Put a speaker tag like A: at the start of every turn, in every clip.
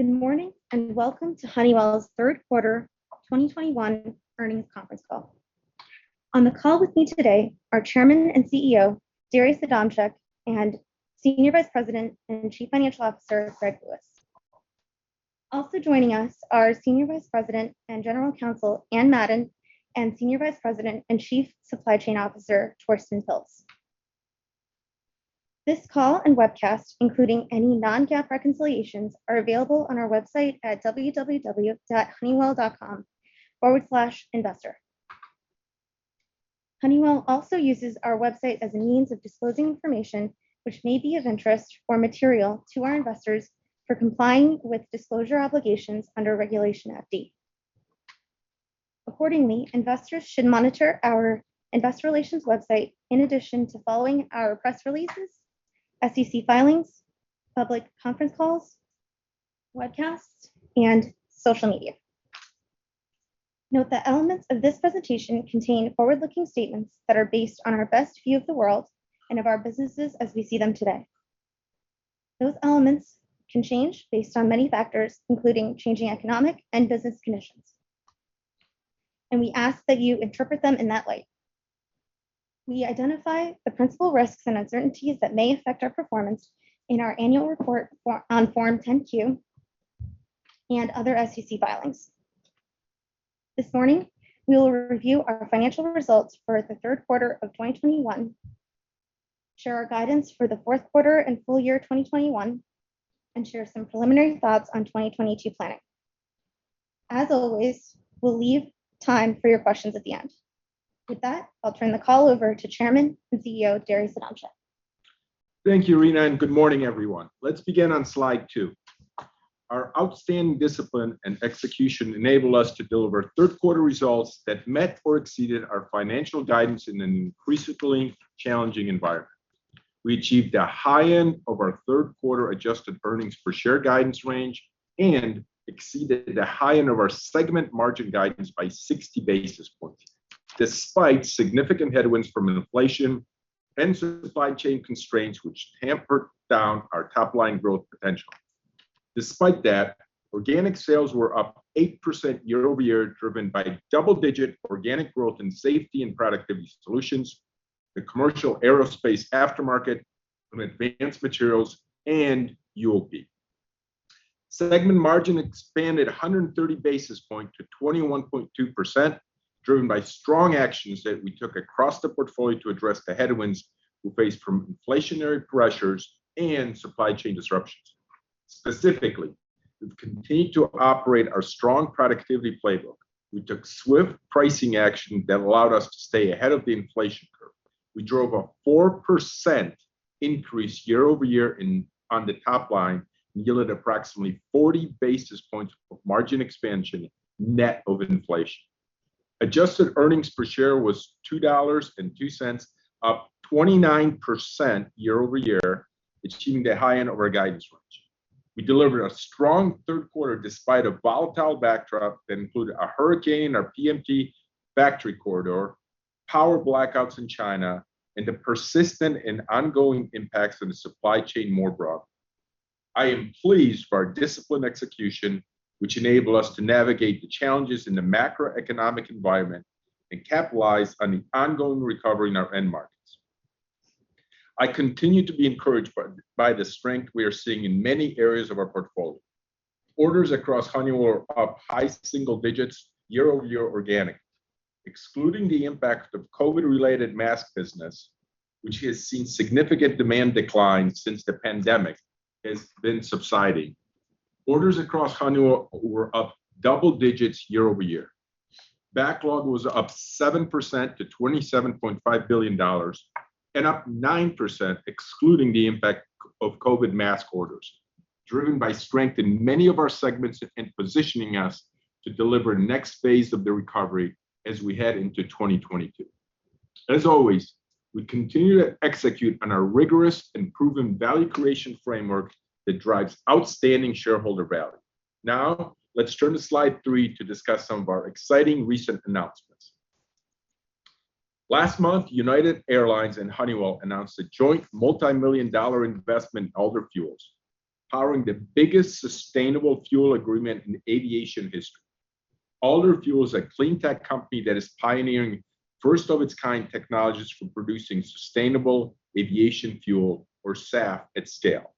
A: Good morning, welcome to Honeywell's Third Quarter 2021 Earnings Conference Call. On the call with me today are Chairman and CEO Darius Adamczyk, and Senior Vice President and Chief Financial Officer Greg Lewis. Also joining us are Senior Vice President and General Counsel Anne Madden, and Senior Vice President and Chief Supply Chain Officer Torsten Pilz. This call and webcast, including any non-GAAP reconciliations, are available on our website at www.honeywell.com/investor. Honeywell also uses our website as a means of disclosing information which may be of interest or material to our investors for complying with disclosure obligations under Regulation FD. Accordingly, investors should monitor our investor relations website in addition to following our press releases, SEC filings, public conference calls, webcasts, and social media. Note that elements of this presentation contain forward-looking statements that are based on our best view of the world and of our businesses as we see them today. Those elements can change based on many factors, including changing economic and business conditions, and we ask that you interpret them in that light. We identify the principal risks and uncertainties that may affect our performance in our annual report on Form 10-Q and other SEC filings. This morning, we will review our financial results for the third quarter of 2021, share our guidance for the fourth quarter and full year 2021, and share some preliminary thoughts on 2022 planning. As always, we'll leave time for your questions at the end. With that, I'll turn the call over to Chairman and CEO, Darius Adamczyk.
B: Thank you, Reena Vaidya, and good morning, everyone. Let's begin on slide 2. Our outstanding discipline and execution enable us to deliver third quarter results that met or exceeded our financial guidance in an increasingly challenging environment. We achieved the high end of our third quarter adjusted earnings per share guidance range and exceeded the high end of our segment margin guidance by 60 basis points, despite significant headwinds from inflation and supply chain constraints which hampered down our top-line growth potential. Despite that, organic sales were up 8% year-over-year, driven by double-digit organic growth and Safety and Productivity Solutions, the commercial aerospace aftermarket, and advanced materials, and UOP. Segment margin expanded 130 basis points to 21.2%, driven by strong actions that we took across the portfolio to address the headwinds we face from inflationary pressures and supply chain disruptions. Specifically, we've continued to operate our strong productivity playbook. We took swift pricing action that allowed us to stay ahead of the inflation curve. We drove a 4% increase year-over-year on the top line and yielded approximately 40 basis points of margin expansion net of inflation. Adjusted earnings per share was $2.02, up 29% year-over-year, achieving the high end of our guidance range. We delivered a strong third quarter despite a volatile backdrop that included a hurricane at our PMT factory corridor, power blackouts in China, and the persistent and ongoing impacts on the supply chain more broadly. I am pleased for our disciplined execution, which enable us to navigate the challenges in the macroeconomic environment and capitalize on the ongoing recovery in our end markets. I continue to be encouraged by the strength we are seeing in many areas of our portfolio. Orders across Honeywell are up high single digits year-over-year organic. Excluding the impact of COVID-related mask business, which has seen significant demand decline since the pandemic has been subsiding. Orders across Honeywell were up double digits year-over-year. Backlog was up 7% to $27.5 billion, and up 9% excluding the impact of COVID mask orders, driven by strength in many of our segments and positioning us to deliver next phase of the recovery as we head into 2022. As always, we continue to execute on our rigorous and proven value creation framework that drives outstanding shareholder value. Let's turn to slide 3 to discuss some of our exciting recent announcements. Last month, United Airlines and Honeywell announced a joint multimillion-dollar investment in Alder Fuels, powering the biggest sustainable fuel agreement in aviation history. Alder Fuels is a cleantech company that is pioneering first-of-its-kind technologies for producing sustainable aviation fuel, or SAF, at scale.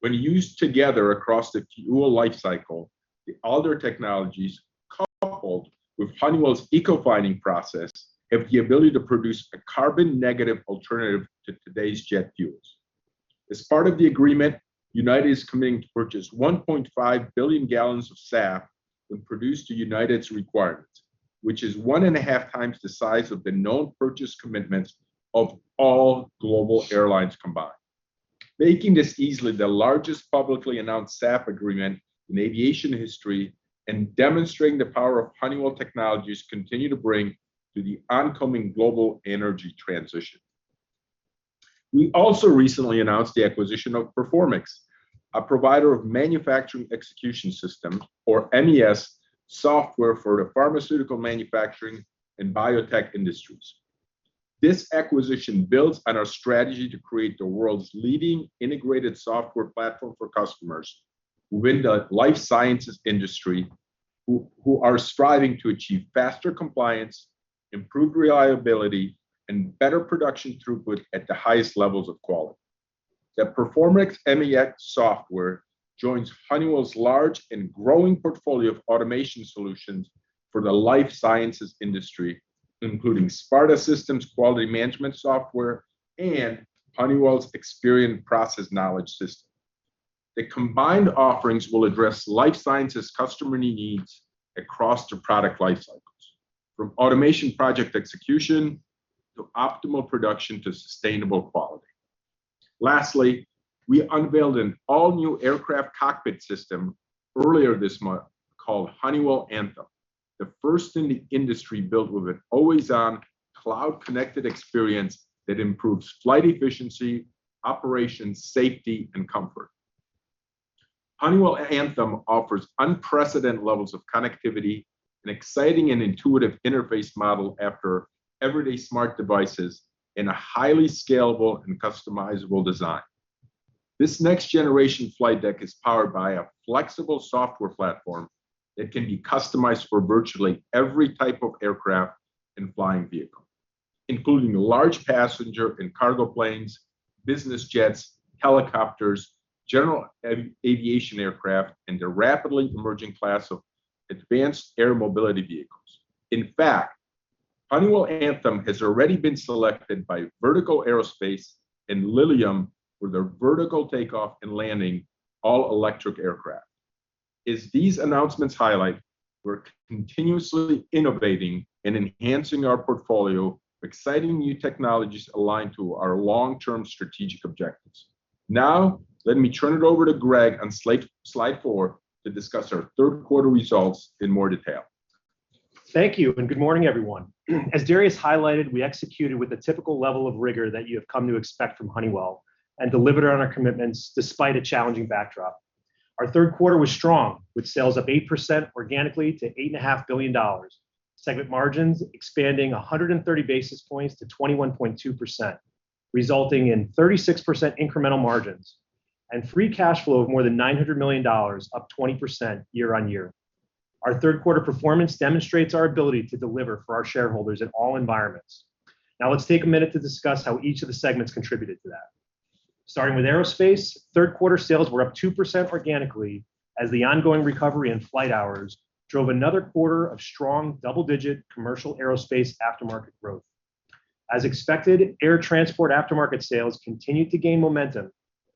B: When used together across the fuel life cycle, the Alder technologies, coupled with Honeywell's Ecofining process, have the ability to produce a carbon-negative alternative to today's jet fuels. As part of the agreement, United is committing to purchase 1.5 billion gallons of SAF when produced to United's requirements, which is one and a half times the size of the known purchase commitments of all global airlines combined, making this easily the largest publicly announced SAF agreement in aviation history and demonstrating the power of Honeywell technologies continue to bring to the oncoming global energy transition. We also recently announced the acquisition of Performix, a provider of manufacturing execution system, or MES, software for the pharmaceutical manufacturing and biotech industries. This acquisition builds on our strategy to create the world's leading integrated software platform for customers within the life sciences industry, who are striving to achieve faster compliance, improved reliability, and better production throughput at the highest levels of quality. The Performix MES software joins Honeywell's large and growing portfolio of automation solutions for the life sciences industry, including Sparta Systems' quality management software and Honeywell's Experion Process Knowledge System. The combined offerings will address life sciences customer needs across the product life cycles, from automation project execution to optimal production to sustainable quality. Lastly, we unveiled an all-new aircraft cockpit system earlier this month called Honeywell Anthem, the first in the industry built with an always-on, cloud-connected experience that improves flight efficiency, operation, safety, and comfort. Honeywell Anthem offers unprecedented levels of connectivity, an exciting and intuitive interface modeled after everyday smart devices, and a highly scalable and customizable design. This next-generation flight deck is powered by a flexible software platform that can be customized for virtually every type of aircraft and flying vehicle, including large passenger and cargo planes, business jets, helicopters, general aviation aircraft, and the rapidly emerging class of advanced air mobility vehicles. In fact, Honeywell Anthem has already been selected by Vertical Aerospace and Lilium for their vertical takeoff and landing all-electric aircraft. As these announcements highlight, we're continuously innovating and enhancing our portfolio of exciting new technologies aligned to our long-term strategic objectives. Now, let me turn it over to Greg on slide 4 to discuss our third quarter results in more detail.
C: Thank you, and good morning, everyone. As Darius highlighted, we executed with the typical level of rigor that you have come to expect from Honeywell and delivered on our commitments despite a challenging backdrop. Our third quarter was strong, with sales up 8% organically to $8.5 billion. Segment margins expanding 130 basis points to 21.2%, resulting in 36% incremental margins and free cash flow of more than $900 million, up 20% year-on-year. Our third quarter performance demonstrates our ability to deliver for our shareholders in all environments. Now, let's take a minute to discuss how each of the segments contributed to that. Starting with Aerospace, third quarter sales were up 2% organically as the ongoing recovery in flight hours drove another quarter of strong double-digit commercial Aerospace aftermarket growth. As expected, air transport aftermarket sales continued to gain momentum,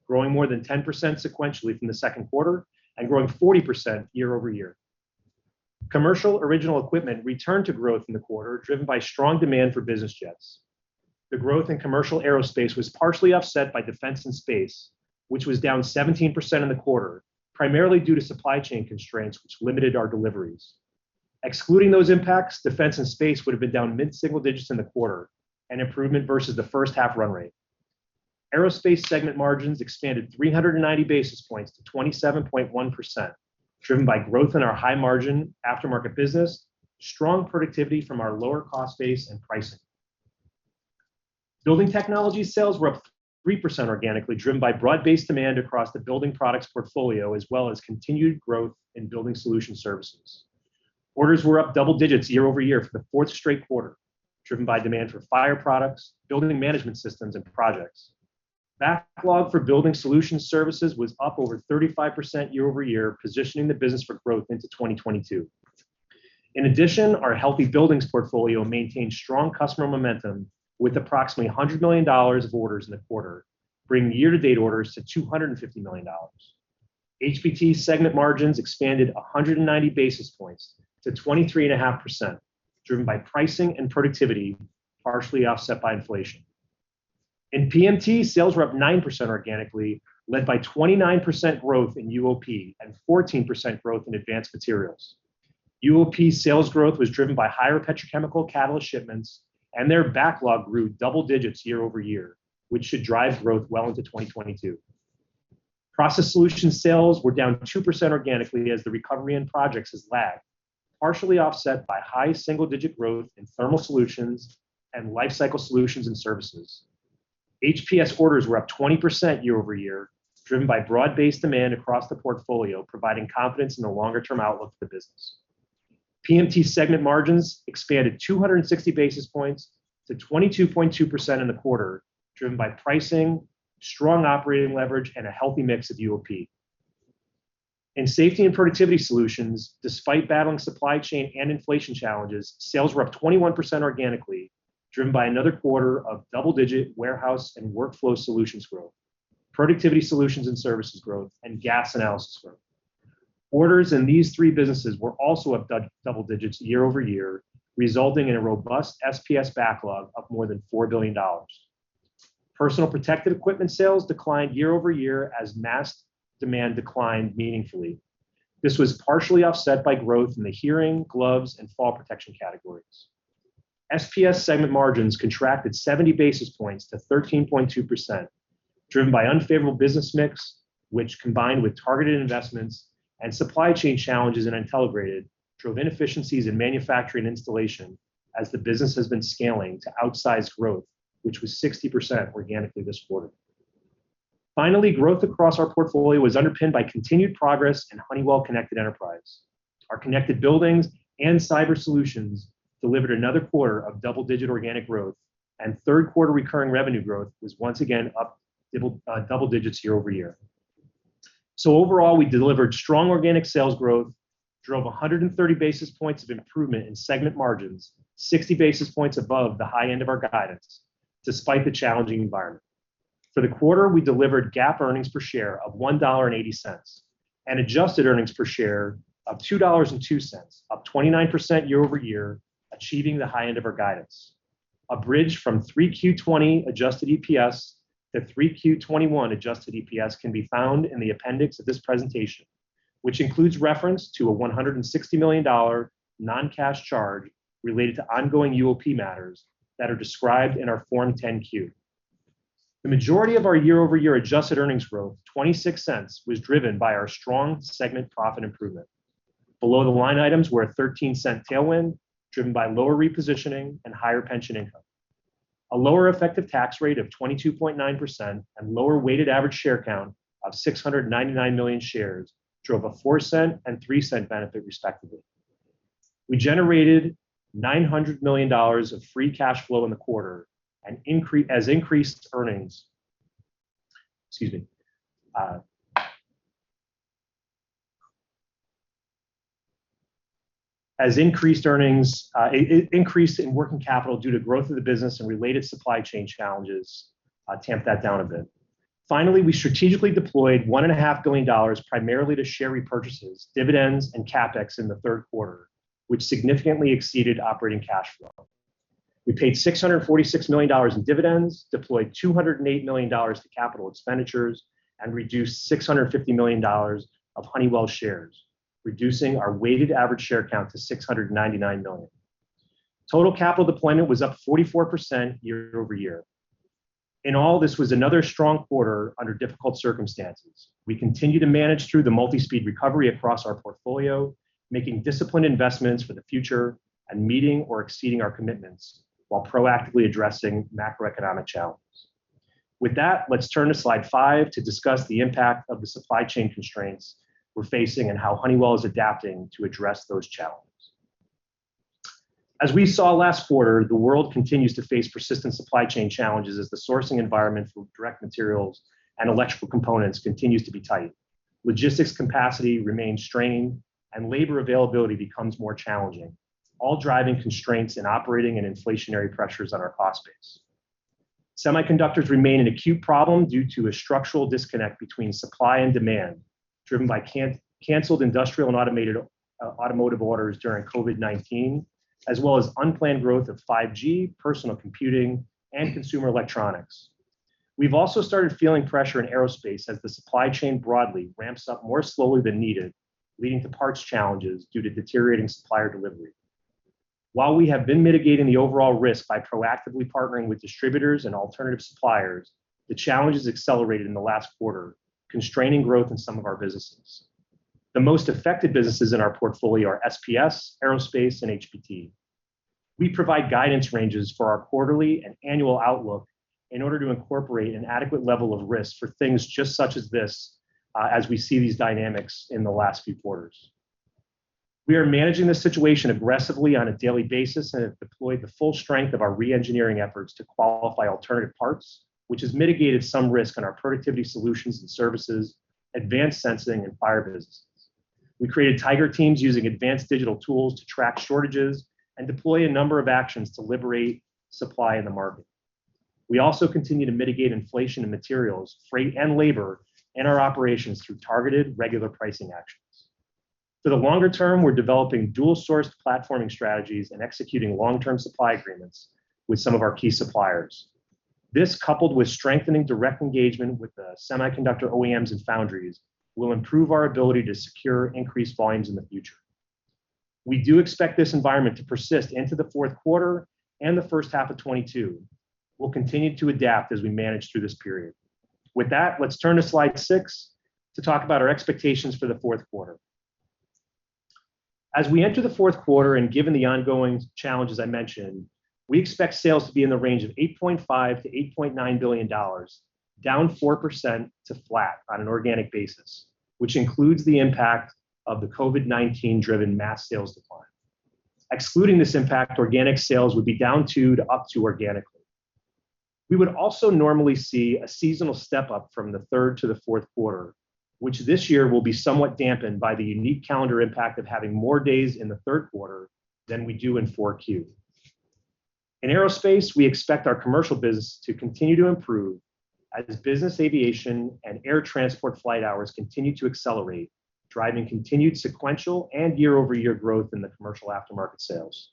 C: growing more than 10% sequentially from the second quarter and growing 40% year-over-year. Commercial original equipment returned to growth in the quarter, driven by strong demand for business jets. The growth in commercial aerospace was partially offset by defense and space, which was down 17% in the quarter, primarily due to supply chain constraints, which limited our deliveries. Excluding those impacts, defense and space would've been down mid-single digits in the quarter, an improvement versus the first half run rate. Aerospace segment margins expanded 390 basis points to 27.1%, driven by growth in our high-margin aftermarket business, strong productivity from our lower cost base, and pricing. Honeywell Building Technologies sales were up 3% organically, driven by broad-based demand across the building products portfolio as well as continued growth in building solution services. Orders were up double digits year-over-year for the fourth straight quarter, driven by demand for fire products, building management systems, and projects. Backlog for Building Solutions services was up over 35% year-over-year, positioning the business for growth into 2022. In addition, our healthy buildings portfolio maintained strong customer momentum with approximately $100 million of orders in the quarter, bringing year-to-date orders to $250 million. HBT segment margins expanded 190 basis points to 23.5%, driven by pricing and productivity, partially offset by inflation. In PMT, sales were up 9% organically, led by 29% growth in UOP and 14% growth in Advanced Materials. UOP's sales growth was driven by higher petrochemical catalyst shipments, and their backlog grew double digits year-over-year, which should drive growth well into 2022. Process Solutions sales were down 2% organically as the recovery in projects has lagged, partially offset by high single-digit growth in thermal solutions and life cycle solutions and services. HPS orders were up 20% year-over-year, driven by broad-based demand across the portfolio, providing confidence in the longer-term outlook for the business. PMT segment margins expanded 260 basis points to 22.2% in the quarter, driven by pricing, strong operating leverage, and a healthy mix of UOP. In Safety and Productivity Solutions, despite battling supply chain and inflation challenges, sales were up 21% organically, driven by another quarter of double-digit warehouse and workflow solutions growth, Productivity Solutions and Services growth, and gas analysis growth. Orders in these three businesses were also up double digits year-over-year, resulting in a robust SPS backlog of more than $4 billion. Personal protective equipment sales declined year-over-year as mask demand declined meaningfully. This was partially offset by growth in the hearing, gloves, and fall protection categories. SPS segment margins contracted 70 basis points to 13.2%. Driven by unfavorable business mix, which combined with targeted investments and supply chain challenges in Intelligrated, drove inefficiencies in manufacturing installation as the business has been scaling to outsize growth, which was 60% organically this quarter. Finally, growth across our portfolio was underpinned by continued progress in Honeywell Connected Enterprise. Our connected buildings and cyber solutions delivered another quarter of double-digit organic growth, and third quarter recurring revenue growth was once again up double digits year-over-year. Overall, we delivered strong organic sales growth, drove 130 basis points of improvement in segment margins, 60 basis points above the high end of our guidance, despite the challenging environment. For the quarter, we delivered GAAP earnings per share of $1.80, and adjusted earnings per share of $2.02, up 29% year-over-year, achieving the high end of our guidance. A bridge from 3Q20 adjusted EPS to 3Q21 adjusted EPS can be found in the appendix of this presentation, which includes reference to a $160 million non-cash charge related to ongoing UOP matters that are described in our Form 10-Q. The majority of our year-over-year adjusted earnings growth, $0.26, was driven by our strong segment profit improvement. Below-the-line items were a $0.13 tailwind, driven by lower repositioning and higher pension income. A lower effective tax rate of 22.9% and lower weighted average share count of 699 million shares drove a $0.04 and $0.03 benefit respectively. We generated $900 million of free cash flow in the quarter as increased earnings Excuse me. As increased earnings increase in working capital due to growth of the business and related supply chain challenges tamp that down a bit. We strategically deployed $1.5 billion primarily to share repurchases, dividends, and CapEx in the third quarter, which significantly exceeded operating cash flow. We paid $646 million in dividends, deployed $208 million to capital expenditures, and reduced $650 million of Honeywell shares, reducing our weighted average share count to 699 million. Total capital deployment was up 44% year-over-year. This was another strong quarter under difficult circumstances. We continue to manage through the multi-speed recovery across our portfolio, making disciplined investments for the future, and meeting or exceeding our commitments while proactively addressing macroeconomic challenges. Let's turn to slide 5 to discuss the impact of the supply chain constraints we're facing and how Honeywell is adapting to address those challenges. As we saw last quarter, the world continues to face persistent supply chain challenges as the sourcing environment for direct materials and electrical components continues to be tight. Logistics capacity remains strained, and labor availability becomes more challenging. All driving constraints in operating and inflationary pressures on our cost base. Semiconductors remain an acute problem due to a structural disconnect between supply and demand, driven by canceled industrial and automotive orders during COVID-19, as well as unplanned growth of 5G, personal computing, and consumer electronics. We've also started feeling pressure in aerospace as the supply chain broadly ramps up more slowly than needed, leading to parts challenges due to deteriorating supplier delivery. While we have been mitigating the overall risk by proactively partnering with distributors and alternative suppliers, the challenges accelerated in the last quarter, constraining growth in some of our businesses. The most affected businesses in our portfolio are SPS, aerospace, and HBT. We provide guidance ranges for our quarterly and annual outlook in order to incorporate an adequate level of risk for things just such as this, as we see these dynamics in the last few quarters. We are managing this situation aggressively on a daily basis and have deployed the full strength of our re-engineering efforts to qualify alternative parts, which has mitigated some risk on our Productivity Solutions and Services, Advanced Sensing, and fire businesses. We created tiger teams using advanced digital tools to track shortages and deploy a number of actions to liberate supply in the market. We also continue to mitigate inflation in materials, freight, and labor in our operations through targeted regular pricing actions. For the longer term, we're developing dual-sourced platforming strategies and executing long-term supply agreements with some of our key suppliers. This, coupled with strengthening direct engagement with the semiconductor OEMs and foundries, will improve our ability to secure increased volumes in the future. We do expect this environment to persist into the fourth quarter and the first half of 2022. We'll continue to adapt as we manage through this period. With that, let's turn to slide 6 to talk about our expectations for the fourth quarter. As we enter the fourth quarter, and given the ongoing challenges I mentioned, we expect sales to be in the range of $8.5 billion-$8.9 billion, down 4% to flat on an organic basis, which includes the impact of the COVID-19-driven mask sales decline. Excluding this impact, organic sales would be down 2% to up to organically. We would also normally see a seasonal step-up from the third to the fourth quarter, which this year will be somewhat dampened by the unique calendar impact of having more days in the third quarter than we do in 4Q. In aerospace, we expect our commercial business to continue to improve as business aviation and air transport flight hours continue to accelerate, driving continued sequential and year-over-year growth in the commercial aftermarket sales.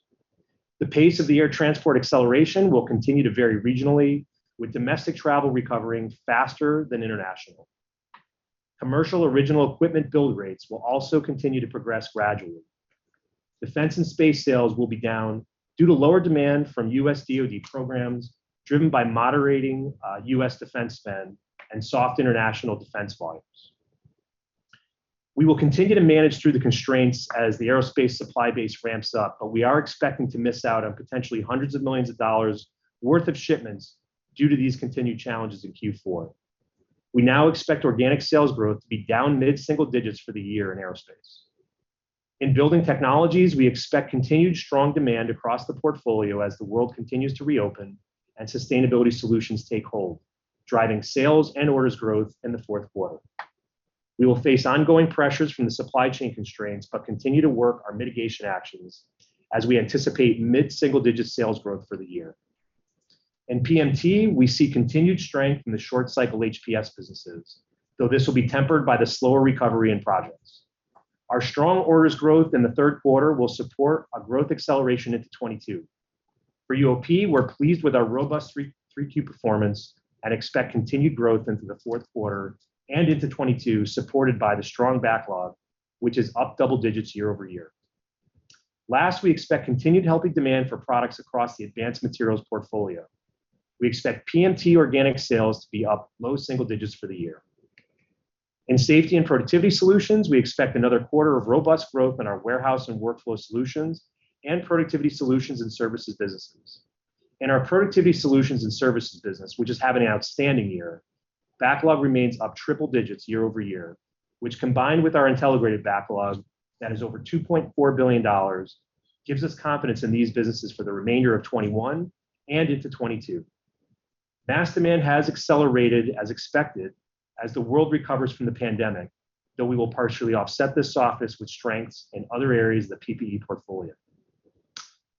C: The pace of the air transport acceleration will continue to vary regionally, with domestic travel recovering faster than international. Commercial original equipment build rates will also continue to progress gradually. Defense and space sales will be down due to lower demand from U.S. DoD programs driven by moderating U.S. Defense spend and soft international defense volumes. We will continue to manage through the constraints as the Aerospace supply base ramps up, but we are expecting to miss out on potentially hundreds of millions of dollars worth of shipments due to these continued challenges in Q4. We now expect organic sales growth to be down mid-single digits for the year in Aerospace. In Building Technologies, we expect continued strong demand across the portfolio as the world continues to reopen and sustainability solutions take hold, driving sales and orders growth in the fourth quarter. We will face ongoing pressures from the supply chain constraints but continue to work our mitigation actions as we anticipate mid-single-digit sales growth for the year. In PMT, we see continued strength in the short cycle HPS businesses, though this will be tempered by the slower recovery in projects. Our strong orders growth in the third quarter will support a growth acceleration into 2022. For UOP, we're pleased with our robust 3Q performance and expect continued growth into the fourth quarter and into 2022, supported by the strong backlog, which is up double digits year-over-year. Last, we expect continued healthy demand for products across the advanced materials portfolio. We expect PMT organic sales to be up low single digits for the year. In Safety and Productivity Solutions, we expect another quarter of robust growth in our warehouse and workflow solutions and Productivity Solutions and Services businesses. In our Productivity Solutions and Services business, which is having an outstanding year, backlog remains up triple digits year-over-year, which, combined with our Intelligrated backlog that is over $2.4 billion, gives us confidence in these businesses for the remainder of 2021 and into 2022. Mask demand has accelerated as expected as the world recovers from the pandemic, though we will partially offset this softness with strengths in other areas of the PPE portfolio.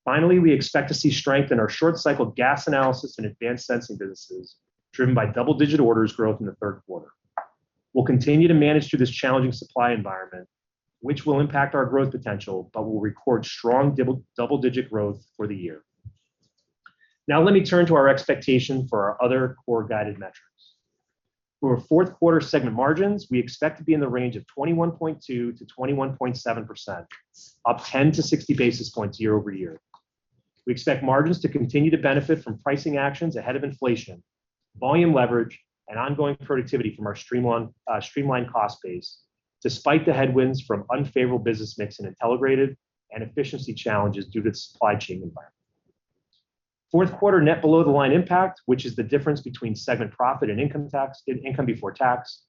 C: Finally, we expect to see strength in our short cycle gas analysis and advanced sensing businesses, driven by double-digit orders growth in the third quarter. We'll continue to manage through this challenging supply environment, which will impact our growth potential but will record strong double-digit growth for the year. Let me turn to our expectation for our other core guided metrics. For our fourth quarter segment margins, we expect to be in the range of 21.2%-21.7%, up 10 to 60 basis points year-over-year. We expect margins to continue to benefit from pricing actions ahead of inflation, volume leverage, and ongoing productivity from our streamlined cost base, despite the headwinds from unfavorable business mix in Honeywell Intelligrated and efficiency challenges due to the supply chain environment. Fourth quarter net below-the-line impact, which is the difference between segment profit and income before tax,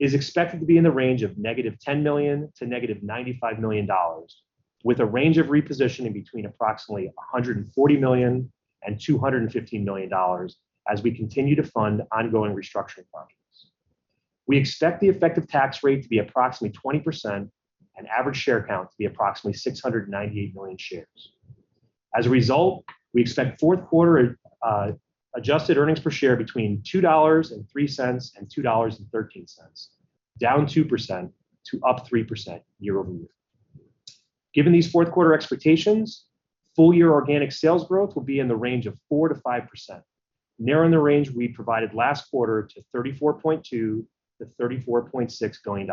C: is expected to be in the range of -$10 million to -$95 million, with a range of repositioning between approximately $140 million and $215 million as we continue to fund ongoing restructuring projects. We expect the effective tax rate to be approximately 20% and average share count to be approximately 698 million shares. As a result, we expect fourth quarter adjusted earnings per share between $2.03 and $2.13, down 2% to up 3% year-over-year. Given these fourth quarter expectations, full-year organic sales growth will be in the range of 4%-5%, narrowing the range we provided last quarter to $34.2 billion-$34.6 billion.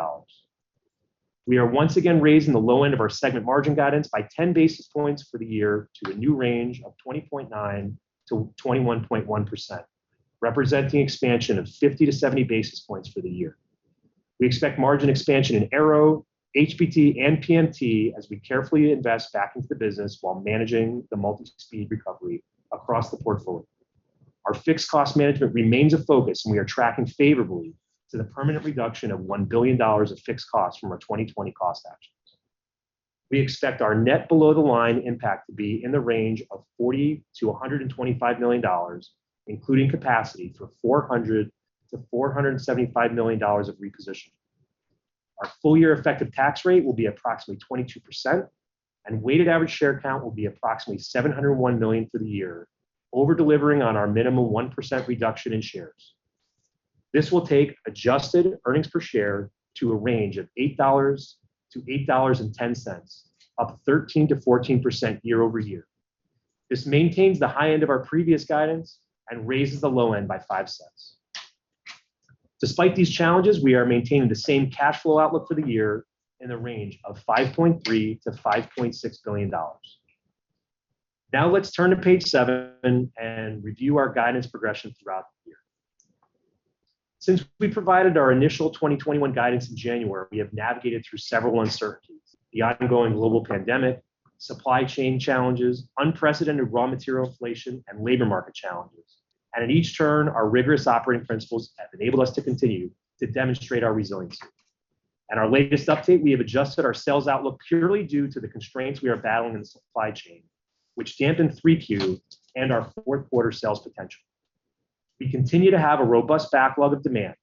C: We are once again raising the low end of our segment margin guidance by 10 basis points for the year to the new range of 20.9%-21.1%, representing expansion of 50-70 basis points for the year. We expect margin expansion in Aero, HBT, and PMT as we carefully invest back into the business while managing the multi-speed recovery across the portfolio. Our fixed cost management remains a focus. We are tracking favorably to the permanent reduction of $1 billion of fixed costs from our 2020 cost actions. We expect our net below-the-line impact to be in the range of $40 million-$125 million, including capacity for $400 million-$475 million of repositioning. Our full-year effective tax rate will be approximately 22%, and weighted average share count will be approximately 701 million for the year, over-delivering on our minimum 1% reduction in shares. This will take adjusted earnings per share to a range of $8-$8.10, up 13%-14% year-over-year. This maintains the high end of our previous guidance and raises the low end by $0.05. Despite these challenges, we are maintaining the same cash flow outlook for the year in the range of $5.3 billion-$5.6 billion. Let's turn to page 7 and review our guidance progression throughout the year. Since we provided our initial 2021 guidance in January, we have navigated through several uncertainties: the ongoing global pandemic, supply chain challenges, unprecedented raw material inflation, and labor market challenges. At each turn, our rigorous operating principles have enabled us to continue to demonstrate our resiliency. At our latest update, we have adjusted our sales outlook purely due to the constraints we are battling in the supply chain, which dampened 3Q and our fourth quarter sales potential. We continue to have a robust backlog of demand.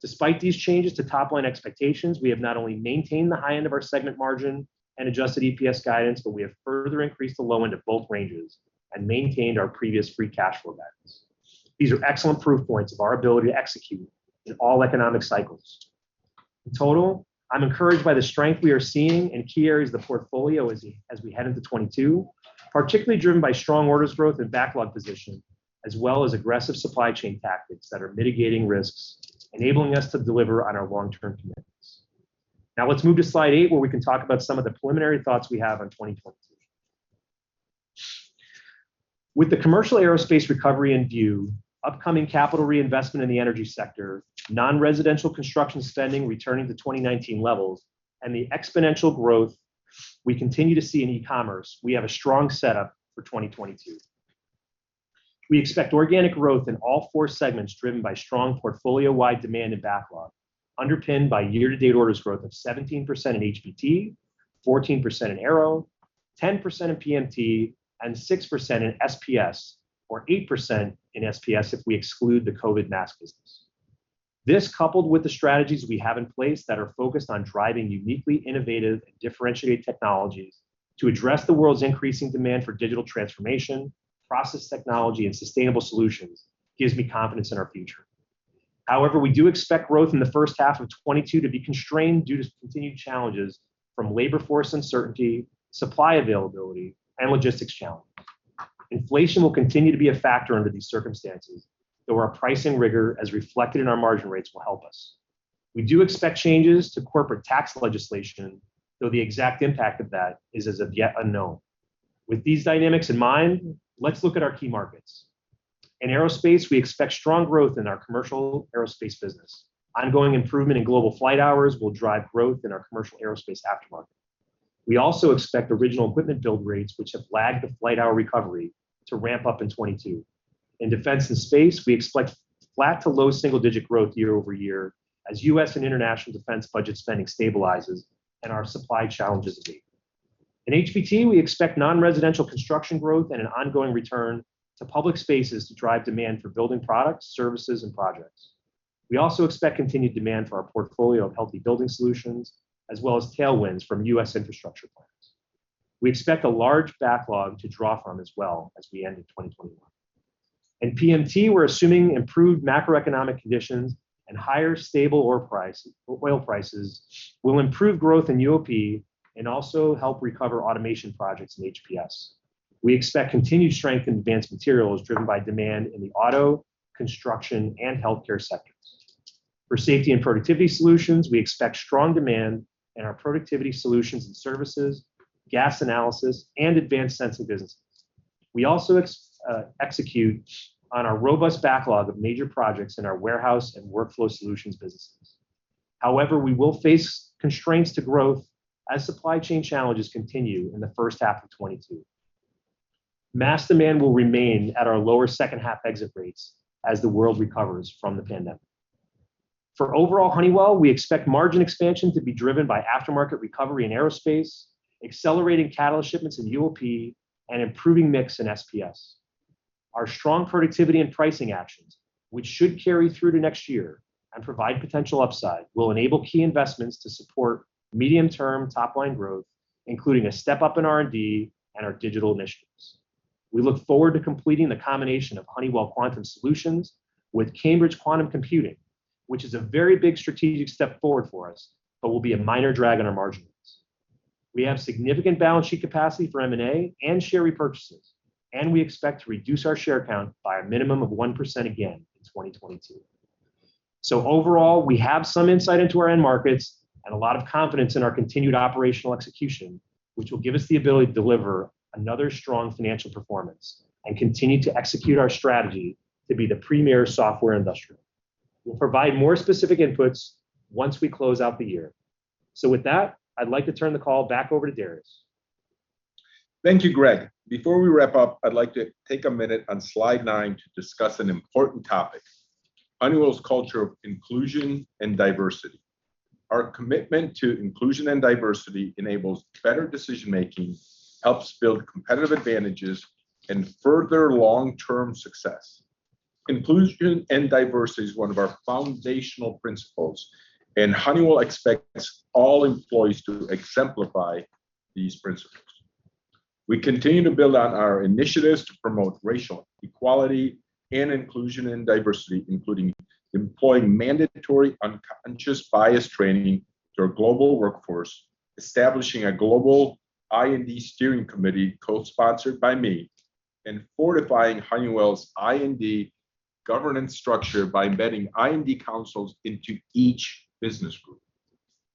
C: Despite these changes to top-line expectations, we have not only maintained the high end of our segment margin and adjusted EPS guidance, but we have further increased the low end of both ranges and maintained our previous free cash flow guidance. These are excellent proof points of our ability to execute in all economic cycles. In total, I'm encouraged by the strength we are seeing in key areas of the portfolio as we head into 2022, particularly driven by strong orders growth and backlog position. Aggressive supply chain tactics that are mitigating risks, enabling us to deliver on our long-term commitments. Let's move to slide 8, where we can talk about some of the preliminary thoughts we have on 2022. With the commercial aerospace recovery in view, upcoming capital reinvestment in the energy sector, non-residential construction spending returning to 2019 levels, and the exponential growth we continue to see in e-commerce, we have a strong setup for 2022. We expect organic growth in all four segments driven by strong portfolio-wide demand and backlog, underpinned by year-to-date orders growth of 17% in HBT, 14% in aero, 10% in PMT, and 6% in SPS, or 8% in SPS if we exclude the COVID mask business. This, coupled with the strategies we have in place that are focused on driving uniquely innovative and differentiated technologies to address the world's increasing demand for digital transformation, process technology, and sustainable solutions, gives me confidence in our future. However, we do expect growth in the first half of 2022 to be constrained due to continued challenges from labor force uncertainty, supply availability, and logistics challenges. Inflation will continue to be a factor under these circumstances, though our pricing rigor as reflected in our margin rates will help us. We do expect changes to corporate tax legislation, though the exact impact of that is as of yet unknown. With these dynamics in mind, let's look at our key markets. In aerospace, we expect strong growth in our commercial aerospace business. Ongoing improvement in global flight hours will drive growth in our commercial aerospace aftermarket. We also expect original equipment build rates, which have lagged the flight hour recovery, to ramp up in 2022. In defense and space, we expect flat to low single-digit growth year-over-year as U.S. and international defense budget spending stabilizes and our supply challenges abate. In HBT, we expect non-residential construction growth and an ongoing return to public spaces to drive demand for building products, services, and projects. We also expect continued demand for our portfolio of healthy building solutions, as well as tailwinds from U.S. infrastructure plans. We expect a large backlog to draw from as well as we end in 2021. In PMT, we're assuming improved macroeconomic conditions and higher stable oil prices will improve growth in UOP and also help recover automation projects in HPS. We expect continued strength in advanced materials driven by demand in the auto, construction, and healthcare sectors. For Safety and Productivity Solutions, we expect strong demand in our Productivity Solutions and Services, gas analysis, and Advanced Sensing businesses. We also execute on our robust backlog of major projects in our warehouse and workflow solutions businesses. However, we will face constraints to growth as supply chain challenges continue in the first half of 2022. Mask demand will remain at our lower second half exit rates as the world recovers from the pandemic. For overall Honeywell, we expect margin expansion to be driven by aftermarket recovery in aerospace, accelerating catalyst shipments in UOP, and improving mix in SPS. Our strong productivity and pricing actions, which should carry through to next year and provide potential upside, will enable key investments to support medium-term top-line growth, including a step-up in R&D and our digital initiatives. We look forward to completing the combination of Honeywell Quantum Solutions with Cambridge Quantum Computing, which is a very big strategic step forward for us, but will be a minor drag on our margins. We have significant balance sheet capacity for M&A and share repurchases, and we expect to reduce our share count by a minimum of 1% again in 2022. Overall, we have some insight into our end markets and a lot of confidence in our continued operational execution, which will give us the ability to deliver another strong financial performance and continue to execute our strategy to be the premier software industrial. We'll provide more specific inputs once we close out the year. With that, I'd like to turn the call back over to Darius.
B: Thank you, Greg. Before we wrap up, I'd like to take a minute on slide 9 to discuss an important topic: Honeywell's culture of inclusion and diversity. Our commitment to inclusion and diversity enables better decision-making, helps build competitive advantages, and further long-term success. Inclusion and diversity is one of our foundational principles. Honeywell expects all employees to exemplify these principles. We continue to build out our initiatives to promote racial equality and inclusion and diversity, including employing mandatory unconscious bias training to our global workforce, establishing a global I&D steering committee co-sponsored by me, and fortifying Honeywell's I&D governance structure by embedding I&D councils into each business group.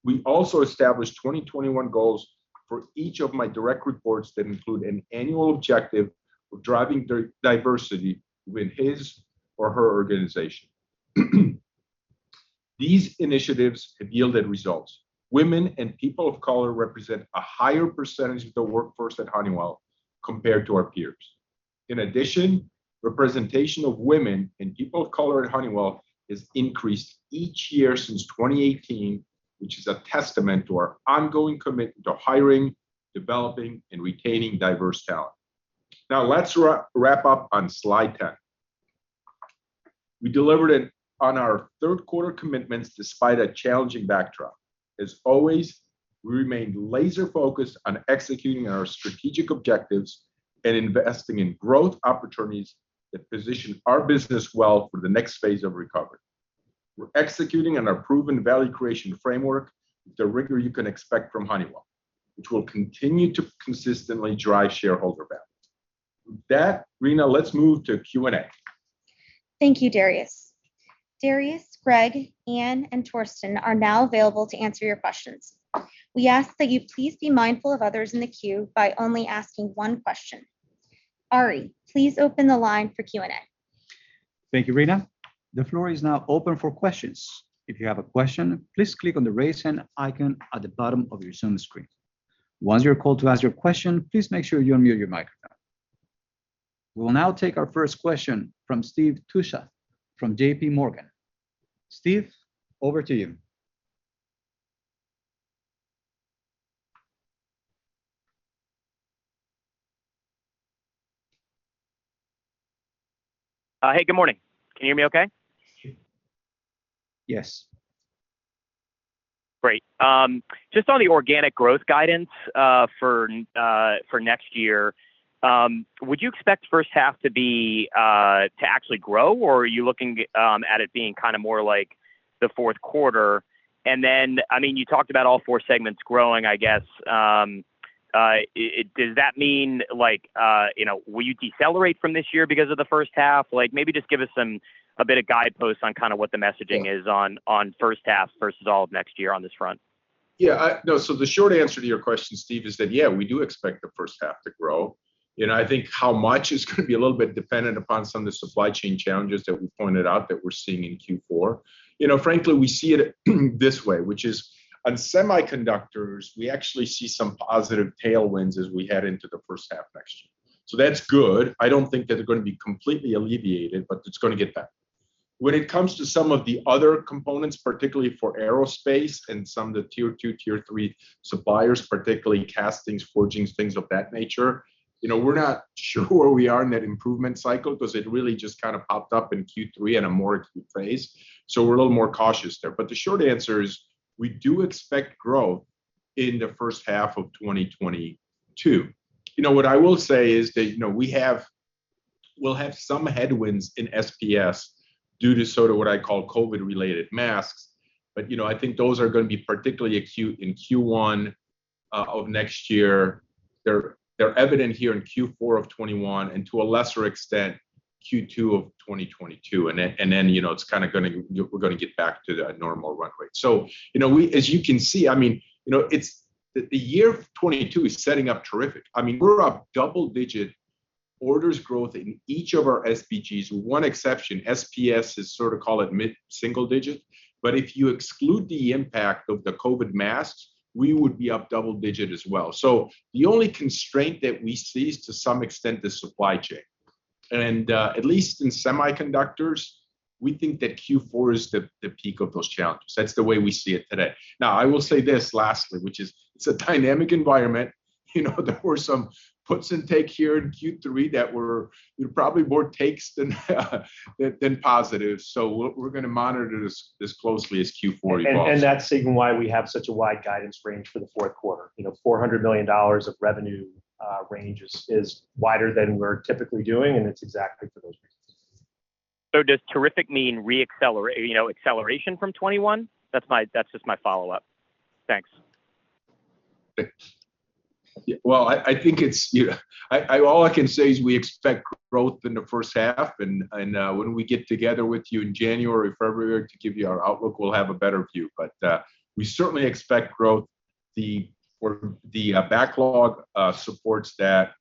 B: We also established 2021 goals for each of my direct reports that include an annual objective of driving diversity with his or her organization. These initiatives have yielded results. Women and people of color represent a higher percentage of the workforce at Honeywell compared to our peers. In addition, representation of women and people of color at Honeywell has increased each year since 2018, which is a testament to our ongoing commitment to hiring, developing, and retaining diverse talent. Now let's wrap up on slide 10. We delivered on our third quarter commitments despite a challenging backdrop. As always, we remained laser-focused on executing our strategic objectives and investing in growth opportunities that position our business well for the next phase of recovery. We're executing on our proven value creation framework with the rigor you can expect from Honeywell, which will continue to consistently drive shareholder value. With that, Reena, let's move to Q&A.
A: Thank you, Darius. Darius, Greg, Anne, and Torsten are now available to answer your questions. We ask that you please be mindful of others in the queue by only asking one question. Ari, please open the line for Q&A.
D: Thank you, Reena. The floor is now open for questions. If you have a question, please click on the Raise Hand icon at the bottom of your Zoom screen. Once you're called to ask your question, please make sure you unmute your microphone. We'll now take our first question from Steve Tusa from JPMorgan. Steve, over to you.
E: Hey, good morning. Can you hear me okay?
B: Yes.
E: Great. Just on the organic growth guidance for next year, would you expect the first half to actually grow, or are you looking at it being more like the fourth quarter? You talked about all 4 segments growing, I guess. Does that mean will you decelerate from this year because of the first half? Maybe just give us a bit of guideposts on what the messaging is on the first half versus all of next year on this front.
B: Yeah. The short answer to your question, Steve, is that, yeah, we do expect the first half to grow. I think how much is going to be a little bit dependent upon some of the supply chain challenges that we pointed out that we're seeing in Q4. Frankly, we see it this way, which is on semiconductors, we actually see some positive tailwinds as we head into the first half next year. That's good. I don't think that they're going to be completely alleviated, but it's going to get better. When it comes to some of the other components, particularly for aerospace and some of the tier 2, tier 3 suppliers, particularly castings, forgings, things of that nature. We're not sure where we are in that improvement cycle because it really just kind of popped up in Q3 at a more acute phase. We're a little more cautious there. The short answer is, we do expect growth in the first half of 2022. What I will say is that we'll have some headwinds in SPS due to sort of what I call COVID-related masks. I think those are going to be particularly acute in Q1 of next year. They're evident here in Q4 of 2021, and to a lesser extent, Q2 of 2022. Then we're going to get back to that normal run rate. As you can see, the year 2022 is setting up terrific. We're up double-digit orders growth in each of our SBGs. One exception, SPS is sort of call it mid-single digit. If you exclude the impact of the COVID masks, we would be up double digit as well. The only constraint that we see is, to some extent, the supply chain. At least in semiconductors, we think that Q4 is the peak of those challenges. That's the way we see it today. I will say this lastly, which is, it's a dynamic environment. There were some puts and takes here in Q3 that were probably more takes than positives. We're going to monitor this as closely as Q4 evolves.
C: That's even why we have such a wide guidance range for the fourth quarter. $400 million of revenue range is wider than we're typically doing, and it's exactly for those reasons.
E: Does terrific mean acceleration from 2021? That's just my follow-up. Thanks.
B: Well, all I can say is we expect growth in the first half, and when we get together with you in January, February to give you our outlook, we'll have a better view. We certainly expect growth. The backlog supports that.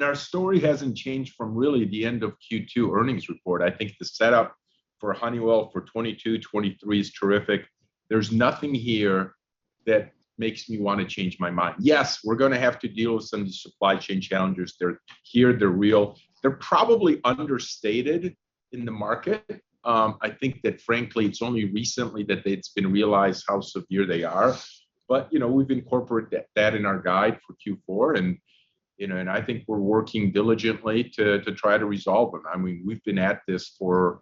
B: Our story hasn't changed from really the end of Q2 earnings report. I think the setup for Honeywell for 2022, 2023 is terrific. There's nothing here that makes me want to change my mind. Yes, we're going to have to deal with some of the supply chain challenges. They're here. They're real. They're probably understated in the market. I think that frankly, it's only recently that it's been realized how severe they are. We've incorporated that in our guide for Q4, and I think we're working diligently to try to resolve them. We've been at this for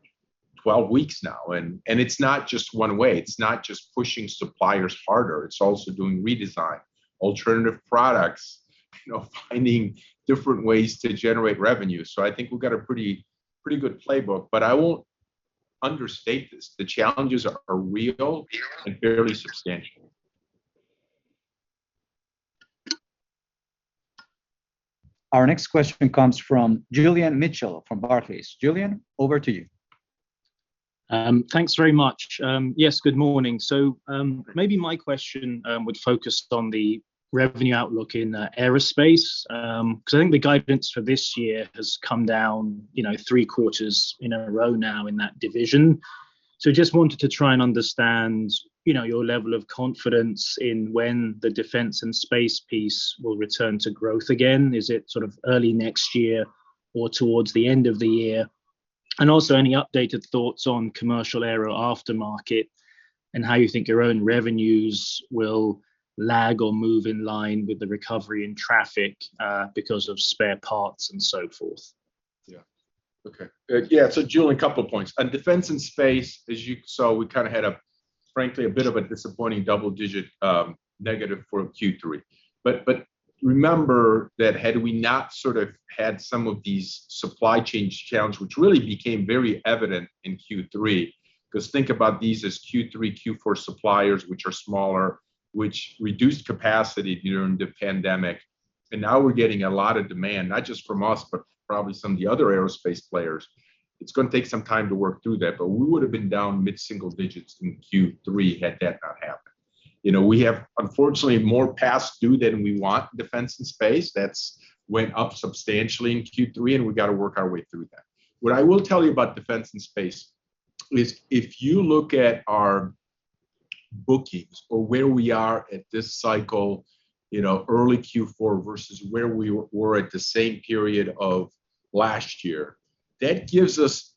B: 12 weeks now, and it's not just one way. It's not just pushing suppliers harder. It's also doing redesigns, alternative products, finding different ways to generate revenue. I think we've got a pretty good playbook. I won't understate this, the challenges are real and fairly substantial.
D: Our next question comes from Julian Mitchell from Barclays. Julian, over to you.
F: Thanks very much. Yes, good morning. Maybe my question would focus on the revenue outlook in aerospace. Because I think the guidance for this year has come down three quarters in a row now in that division. I just wanted to try and understand your level of confidence in when the defense and space piece will return to growth again. Is it sort of early next year or towards the end of the year? Also any updated thoughts on commercial aero aftermarket and how you think your own revenues will lag or move in line with the recovery in traffic because of spare parts and so forth.
B: Okay. Julian, a couple of points. On defense and space, as you saw, we kind of had Frankly, a bit of a disappointing double-digit negative for Q3. Remember that had we not had some of these supply chain challenges, which really became very evident in Q3, because think about these as Q3, Q4 suppliers, which are smaller, which reduced capacity during the pandemic, and now we're getting a lot of demand, not just from us, but probably some of the other aerospace players. It's going to take some time to work through that. We would've been down mid-single digits in Q3 had that not happened. We have, unfortunately, more past due than we want, defense and space. That's went up substantially in Q3, and we've got to work our way through that. What I will tell you about defense and space is if you look at our book keeps, or where we are at this cycle, early Q4 versus where we were at the same period of last year, that gives us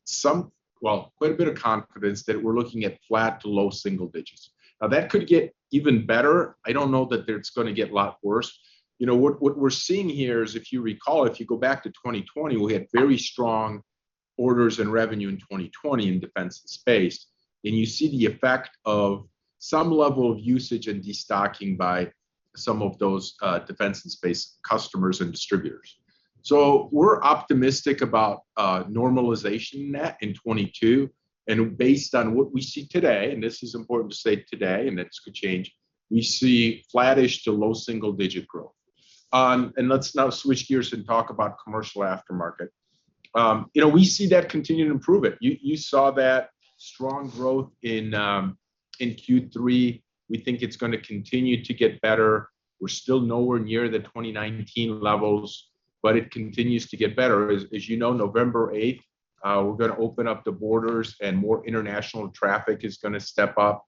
B: quite a bit of confidence that we're looking at flat to low single digits. That could get even better. I don't know that it's going to get a lot worse. What we're seeing here is, if you recall, if you go back to 2020, we had very strong orders and revenue in 2020 in defense and space. You see the effect of some level of usage and de-stocking by some of those defense and space customers and distributors. We're optimistic about normalization in that in 2022. Based on what we see today, and this is important to state today, and this could change, we see flattish to low single-digit growth. Let's now switch gears and talk about commercial aftermarket. We see that continuing to improve it. You saw that strong growth in Q3. We think it's going to continue to get better. We're still nowhere near the 2019 levels, but it continues to get better. As you know, November 8th, we're going to open up the borders and more international traffic is going to step up.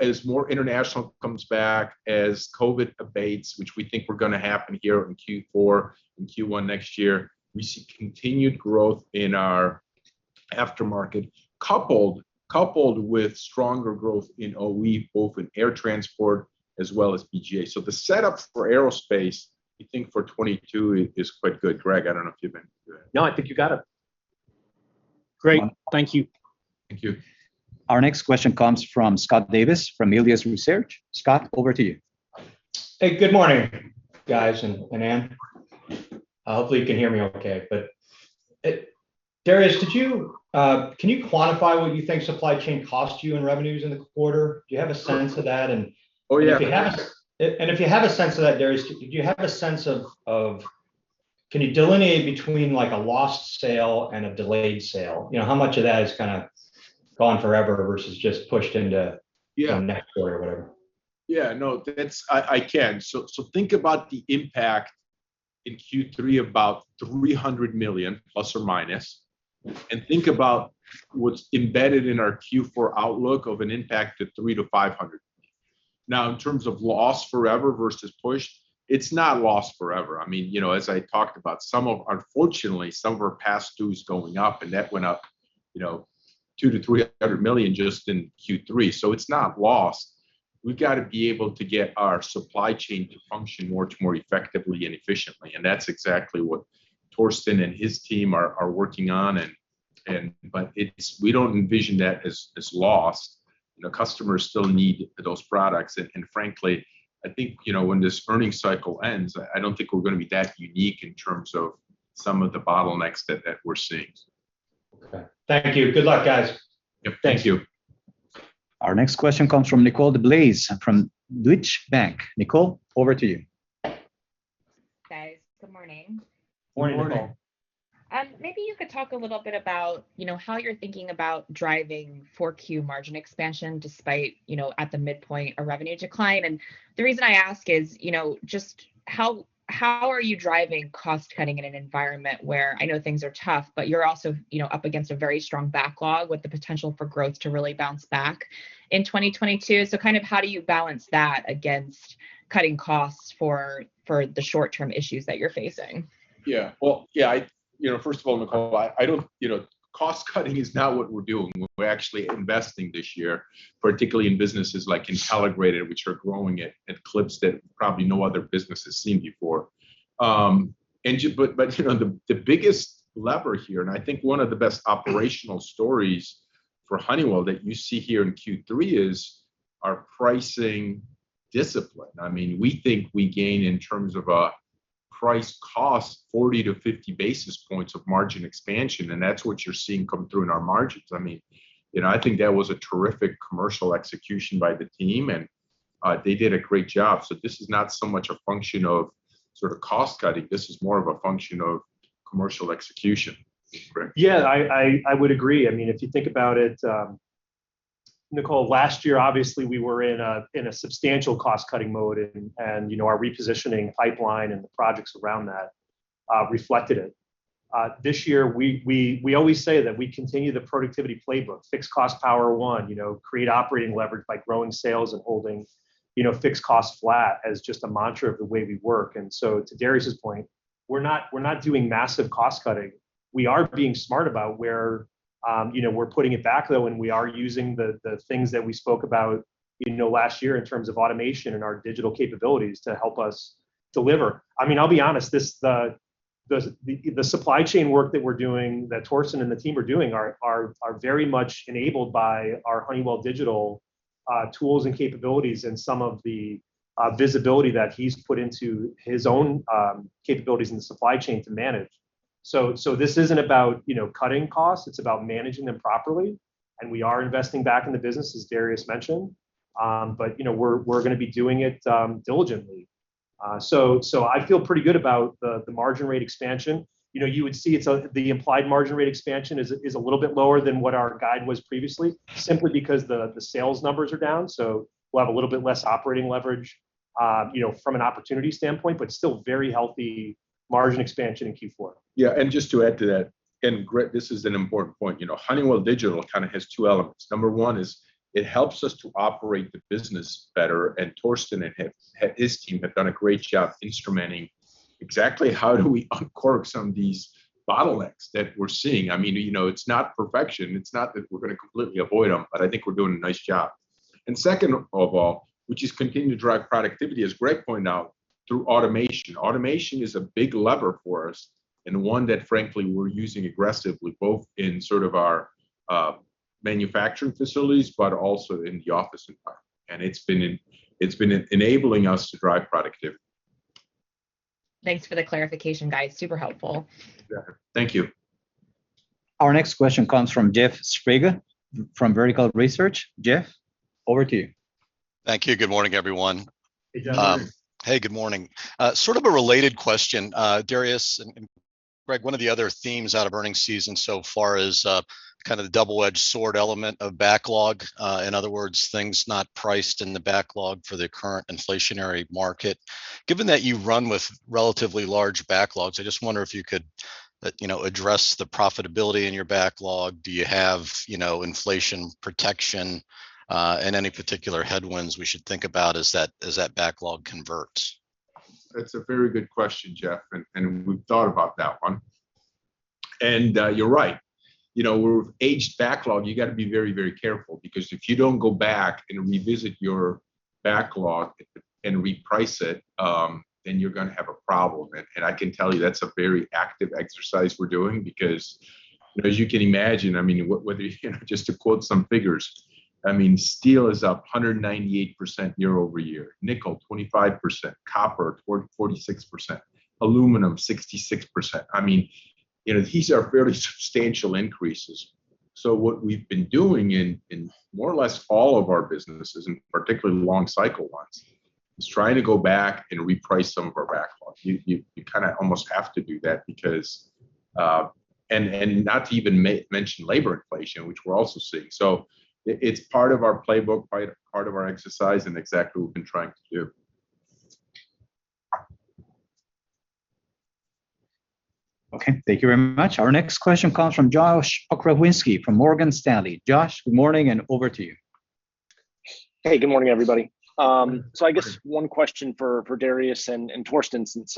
B: As more international comes back, as COVID abates, which we think we're going to happen here in Q4 and Q1 next year, we see continued growth in our aftermarket, coupled with stronger growth in OE, both in air transport as well as BGA. The setup for aerospace, we think for 2022 is quite good. Greg, I don't know if you've been through that.
C: No, I think you got it.
F: Great. Thank you.
B: Thank you.
D: Our next question comes from Scott Davis from Melius Research. Scott, over to you.
G: Good morning, guys, and Anne. Hopefully you can hear me okay. Darius, can you quantify what you think supply chain cost you in revenues in the quarter? Do you have a sense of that?
B: Oh, yeah.
G: If you have a sense of that, Darius, do you have a sense of, can you delineate between a lost sale and a delayed sale? How much of that is kind of gone forever versus just pushed into the future next quarter or whatever?
B: No, I can. Think about the impact in Q3, about ±$300 million, and think about what's embedded in our Q4 outlook of an impact of $300 million-$500 million. In terms of lost forever versus pushed, it's not lost forever. As I talked about, unfortunately, some of our past due is going up, and that went up $200 million-$300 million just in Q3. It's not lost. We've got to be able to get our supply chain to function much more effectively and efficiently, and that's exactly what Torsten and his team are working on. We don't envision that as lost. Customers still need those products. Frankly, I think, when this earning cycle ends, I don't think we're going to be that unique in terms of some of the bottlenecks that we're seeing.
G: Okay. Thank you. Good luck, guys.
B: Yep. Thank you.
D: Our next question comes from Nicole DeBlase from Deutsche Bank. Nicole, over to you.
H: Guys, good morning.
B: Morning, Nicole.
C: Morning.
H: Maybe you could talk a little bit about how you're thinking about driving 4Q margin expansion despite, at the midpoint, a revenue decline. The reason I ask is just how are you driving cost-cutting in an environment where I know things are tough, but you're also up against a very strong backlog with the potential for growth to really bounce back in 2022. How do you balance that against cutting costs for the short-term issues that you're facing?
B: Well, first of all, Nicole, cost-cutting is not what we're doing. We're actually investing this year, particularly in businesses like Intelligrated, which are growing at clips that probably no other business has seen before. The biggest lever here, and I think one of the best operational stories for Honeywell that you see here in Q3, is our pricing discipline. We think we gain in terms of a price cost 40-50 basis points of margin expansion, and that's what you're seeing come through in our margins. I think that was a terrific commercial execution by the team, and they did a great job. This is not so much a function of cost-cutting. This is more of a function of commercial execution. Greg?
C: Yeah, I would agree. If you think about it, Nicole, last year, obviously, we were in a substantial cost-cutting mode, and our repositioning pipeline and the projects around that reflected it. This year, we always say that we continue the productivity playbook, fixed cost power one, create operating leverage by growing sales and holding fixed costs flat as just a mantra of the way we work. To Darius's point, we're not doing massive cost-cutting. We are being smart about where we're putting it back, though, and we are using the things that we spoke about last year in terms of automation and our digital capabilities to help us deliver. I'll be honest, the supply chain work that we're doing, that Torsten and the team are doing, are very much enabled by our Honeywell Digital tools and capabilities, and some of the visibility that he's put into his own capabilities in the supply chain to manage. This isn't about cutting costs, it's about managing them properly, and we are investing back in the business, as Darius mentioned. We're going to be doing it diligently. I feel pretty good about the margin rate expansion. You would see the implied margin rate expansion is a little bit lower than what our guide was previously, simply because the sales numbers are down. We'll have a little bit less operating leverage from an opportunity standpoint, but still very healthy margin expansion in Q4.
B: Just to add to that, Greg, this is an important point. Honeywell Digital kind of has two elements. Number one is it helps us to operate the business better, and Torsten and his team have done a great job instrumenting exactly how do we uncork some of these bottlenecks that we're seeing. It's not perfection. It's not that we're going to completely avoid them, but I think we're doing a nice job. Second of all, which is continue to drive productivity, as Greg pointed out, through automation. Automation is a big lever for us, and one that frankly we're using aggressively, both in our manufacturing facilities, but also in the office environment. It's been enabling us to drive productivity.
H: Thanks for the clarification, guys. Super helpful.
B: Yeah. Thank you.
D: Our next question comes from Jeff Sprague from Vertical Research. Jeff, over to you.
I: Thank you. Good morning, everyone.
B: Hey, Jeff.
I: Hey, good morning. Sort of a related question. Darius and Greg, one of the other themes out of earnings season so far is kind of the double-edged sword element of backlog. In other words, things not priced in the backlog for the current inflationary market. Given that you run with relatively large backlogs, I just wonder if you could address the profitability in your backlog. Do you have inflation protection? Any particular headwinds we should think about as that backlog converts?
B: That's a very good question, Jeff. We've thought about that one. You're right. With aged backlog, you got to be very, very careful, because if you don't go back and revisit your backlog and reprice it, then you're going to have a problem. I can tell you that's a very active exercise we're doing because as you can imagine, just to quote some figures, steel is up 198% year-over-year. Nickel, 25%. Copper, 46%. Aluminum, 66%. These are fairly substantial increases. What we've been doing in, more or less, all of our businesses, and particularly long cycle ones, is trying to go back and reprice some of our backlog. You kind of almost have to do that because, not to even mention labor inflation, which we're also seeing. It's part of our playbook, part of our exercise, and exactly what we've been trying to do.
D: Okay. Thank you very much. Our next question comes from Josh Pokrzywinski from Morgan Stanley. Josh, good morning, and over to you.
J: Hey, good morning, everybody. I guess one question for Darius, and Torsten, since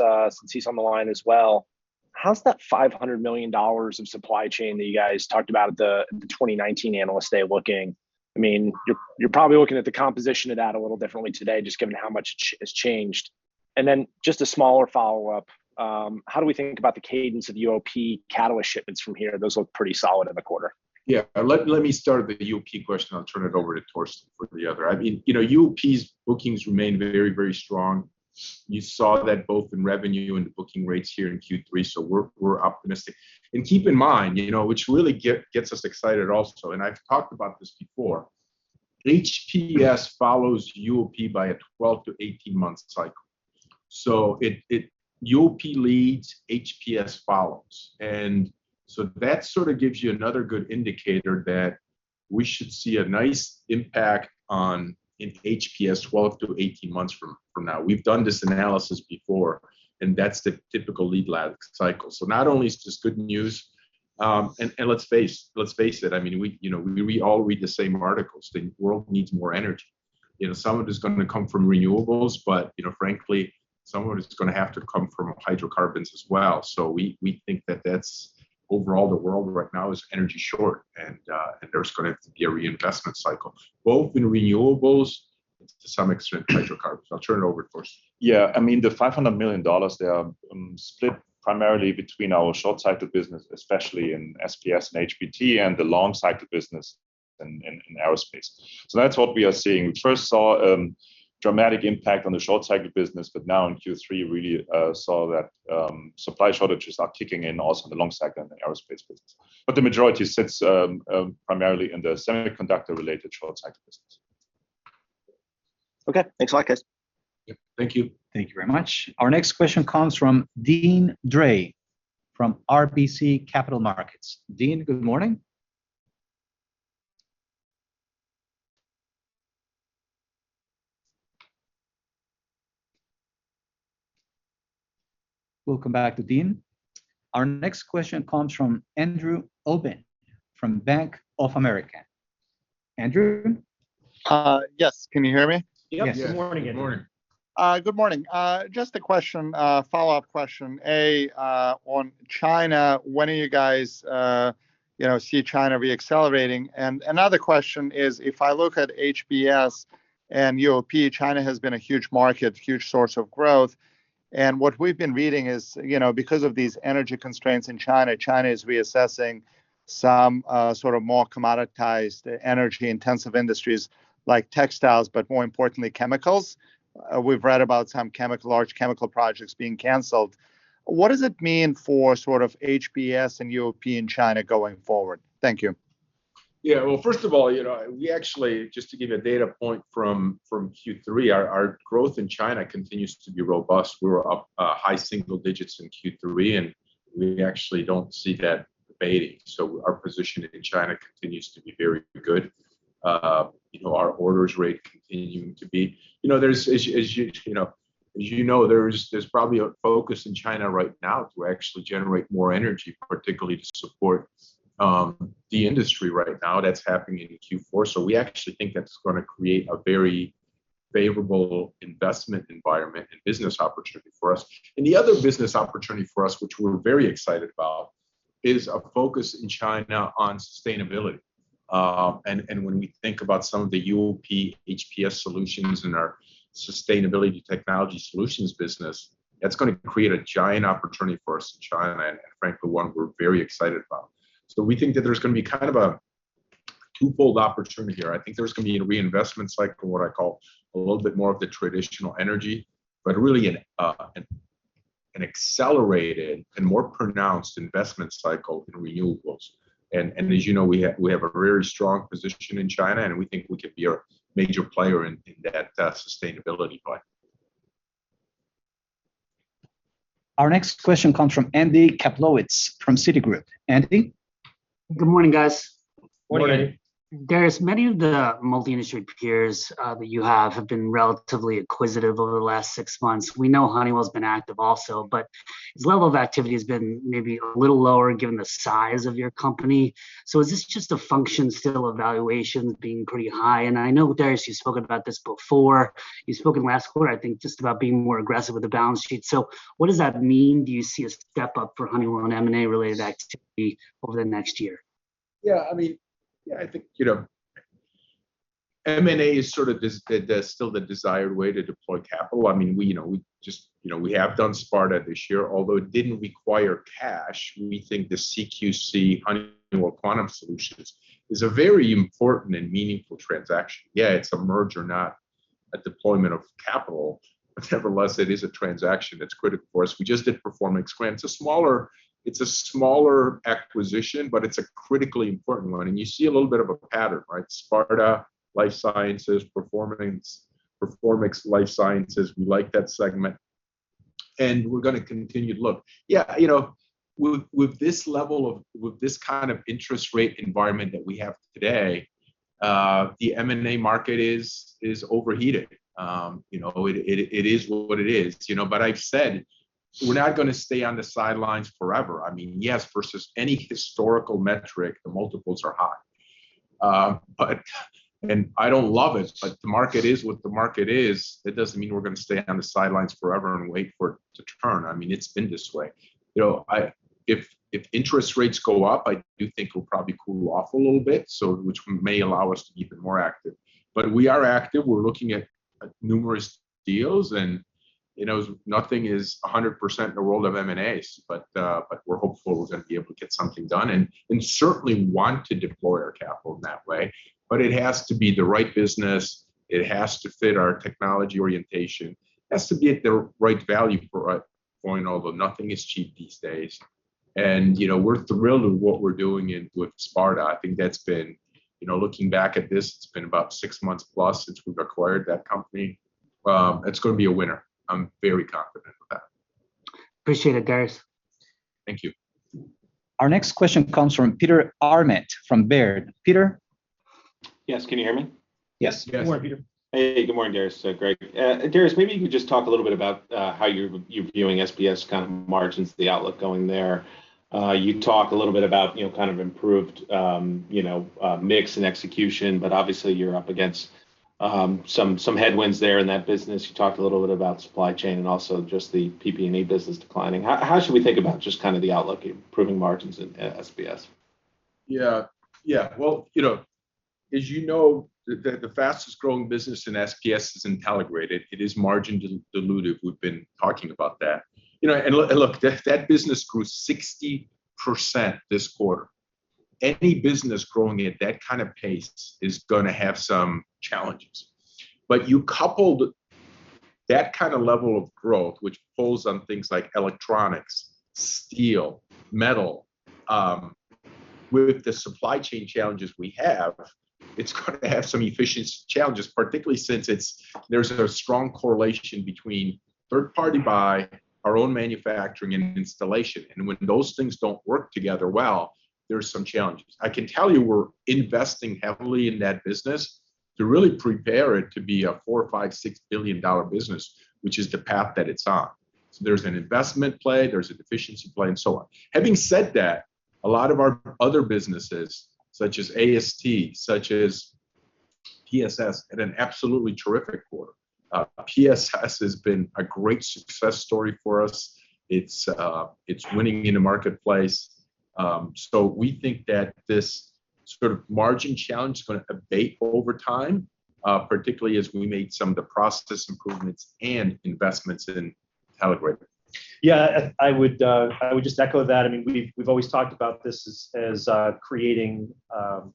J: he's on the line as well. How's that $500 million of supply chain that you guys talked about at the 2019 Analyst Day looking? You're probably looking at the composition of that a little differently today, just given how much has changed. Then just a smaller follow-up, how do we think about the cadence of UOP catalyst shipments from here? Those look pretty solid in the quarter.
B: Let me start with the UOP question, I'll turn it over to Torsten for the other. UOP's bookings remain very, very strong. You saw that both in revenue and booking rates here in Q3, we're optimistic. Keep in mind, which really gets us excited also, and I've talked about this before, HPS follows UOP by a 12 to 18-month cycle. UOP leads, HPS follows. That sort of gives you another good indicator that we should see a nice impact in HPS 12 to 18 months from now. We've done this analysis before, that's the typical lead lag cycle. Not only is this good news, let's face it, we all read the same articles. The world needs more energy. Some of it's going to come from renewables, frankly, some of it's going to have to come from hydrocarbons as well. We think that's, overall, the world right now is energy short and there's going to have to be a reinvestment cycle, both in renewables, and to some extent, hydrocarbons. I'll turn it over, Torsten.
K: Yeah. The $500 million there, split primarily between our short cycle business, especially in SPS and PMT, and the long cycle business in aerospace. That's what we are seeing. First saw a dramatic impact on the short cycle business, now in Q3, really saw that supply shortages are kicking in also in the long cycle in the aerospace business. The majority sits primarily in the semiconductor-related short cycle business.
J: Okay. Thanks a lot, guys.
B: Yeah. Thank you.
D: Thank you very much. Our next question comes from Deane Dray from RBC Capital Markets. Deane, good morning. Welcome back, Deane. Our next question comes from Andrew Obin from Bank of America. Andrew?
L: Yes, can you hear me?
B: Yes.
D: Yes.
B: Good morning, Andrew.
L: Good morning. Just a follow-up question. On China, when are you guys see China re-accelerating? Another question is, if I look at HPS and UOP, China has been a huge market, huge source of growth, and what we've been reading is, because of these energy constraints in China is reassessing some sort of more commoditized energy-intensive industries like textiles, but more importantly, chemicals. We've read about some large chemical projects being canceled. What does it mean for sort of HPS and UOP in China going forward? Thank you.
B: Well, first of all, we actually, just to give you a data point from Q3, our growth in China continues to be robust. We were up high single digits in Q3, and we actually don't see that abating. Our position in China continues to be very good. As you know, there's probably a focus in China right now to actually generate more energy, particularly to support the industry right now that's happening into Q4. We actually think that's going to create a very favorable investment environment and business opportunity for us. The other business opportunity for us, which we're very excited about, is a focus in China on sustainability. When we think about some of the UOP HPS solutions and our sustainability technology solutions business, that's going to create a giant opportunity for us in China, and frankly, one we're very excited about. We think that there's going to be kind of a twofold opportunity here. I think there's going to be a reinvestment cycle in what I call a little bit more of the traditional energy, but really an accelerated and more pronounced investment cycle in renewables. As you know, we have a very strong position in China, and we think we could be a major player in that sustainability play.
D: Our next question comes from Andy Kaplowitz, from Citigroup. Andy?
M: Good morning, guys.
B: Morning.
C: Morning.
M: Darius, many of the multi-industry peers that you have have been relatively acquisitive over the last six months. We know Honeywell's been active also, but its level of activity has been maybe a little lower given the size of your company. Is this just a function still of valuations being pretty high? I know, Darius, you've spoken about this before. You've spoken last quarter, I think, just about being more aggressive with the balance sheet. What does that mean? Do you see a step up for Honeywell on M&A-related activity over the next year?
B: I think M&A is sort of the still the desired way to deploy capital. We have done Sparta this year, although it didn't require cash. We think the CQC Honeywell Quantum Solutions is a very important and meaningful transaction. It's a merger, not a deployment of capital, but nevertheless, it is a transaction that's critical for us. We just did Performix. It's a smaller acquisition, but it's a critically important one. You see a little bit of a pattern, right? Sparta, life sciences, Performix, life sciences. We like that segment, and we're going to continue to look. With this kind of interest rate environment that we have today, the M&A market is overheated. It is what it is. I've said we're not going to stay on the sidelines forever. Versus any historical metric, the multiples are high. I don't love it, but the market is what the market is. It doesn't mean we're going to stay on the sidelines forever and wait for it to turn. It's been this way. If interest rates go up, I do think it'll probably cool off a little bit, which may allow us to be even more active. We are active. We're looking at numerous deals, and nothing is 100% in the world of M&As, but we're hopeful we're going to be able to get something done, and certainly want to deploy our capital in that way. It has to be the right business. It has to fit our technology orientation, has to be at the right value for it point, although nothing is cheap these days. We're thrilled with what we're doing with Sparta. I think that's been, looking back at this, it's been about six months plus since we've acquired that company. It's going to be a winner. I'm very confident with that.
M: Appreciate it, Darius.
B: Thank you.
D: Our next question comes from Peter Arment from Baird. Peter?
N: Yes, can you hear me?
C: Yes. Yes. Good morning, Peter.
N: Hey, good morning, Darius. Greg. Darius, maybe you could just talk a little bit about how you're viewing SPS kind of margins, the outlook going there. You talked a little bit about kind of improved mix and execution, but obviously you're up against some headwinds there in that business. You talked a little bit about supply chain and also just the PPE business declining. How should we think about just kind of the outlook improving margins in SPS?
B: Yeah. Well, as you know, the fastest growing business in SPS is Intelligrated. It is margin dilutive. We've been talking about that. Look, that business grew 60% this quarter. Any business growing at that kind of pace is going to have some challenges. You coupled that kind of level of growth, which pulls on things like electronics, steel, metal, with the supply chain challenges we have, it's going to have some efficiency challenges, particularly since there's a strong correlation between third party buy, our own manufacturing, and installation. When those things don't work together well, there's some challenges. I can tell you we're investing heavily in that business to really prepare it to be a $4 billion or $5 billion, $6 billion business, which is the path that it's on. There's an investment play, there's an efficiency play and so on. Having said that, a lot of our other businesses, such as AST, such as PSS had an absolutely terrific quarter. PSS has been a great success story for us. It's winning in the marketplace. We think that this sort of margin challenge is going to abate over time, particularly as we made some of the process improvements and investments.
C: Yeah, I would just echo that. We've always talked about this as creating an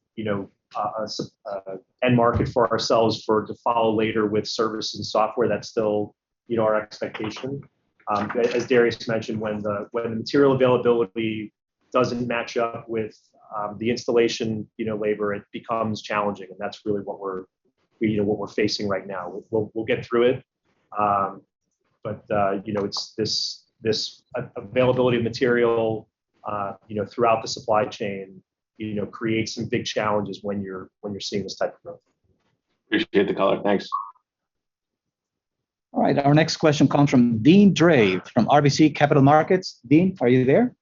C: end market for ourselves to follow later with service and software. That's still our expectation. As Darius mentioned, when the material availability doesn't match up with the installation labor, it becomes challenging, and that's really what we're facing right now. We'll get through it. It's this availability of material throughout the supply chain creates some big challenges when you're seeing this type of growth.
N: Appreciate the color. Thanks.
D: All right, our next question comes from Deane Dray from RBC Capital Markets. Deane, are you there?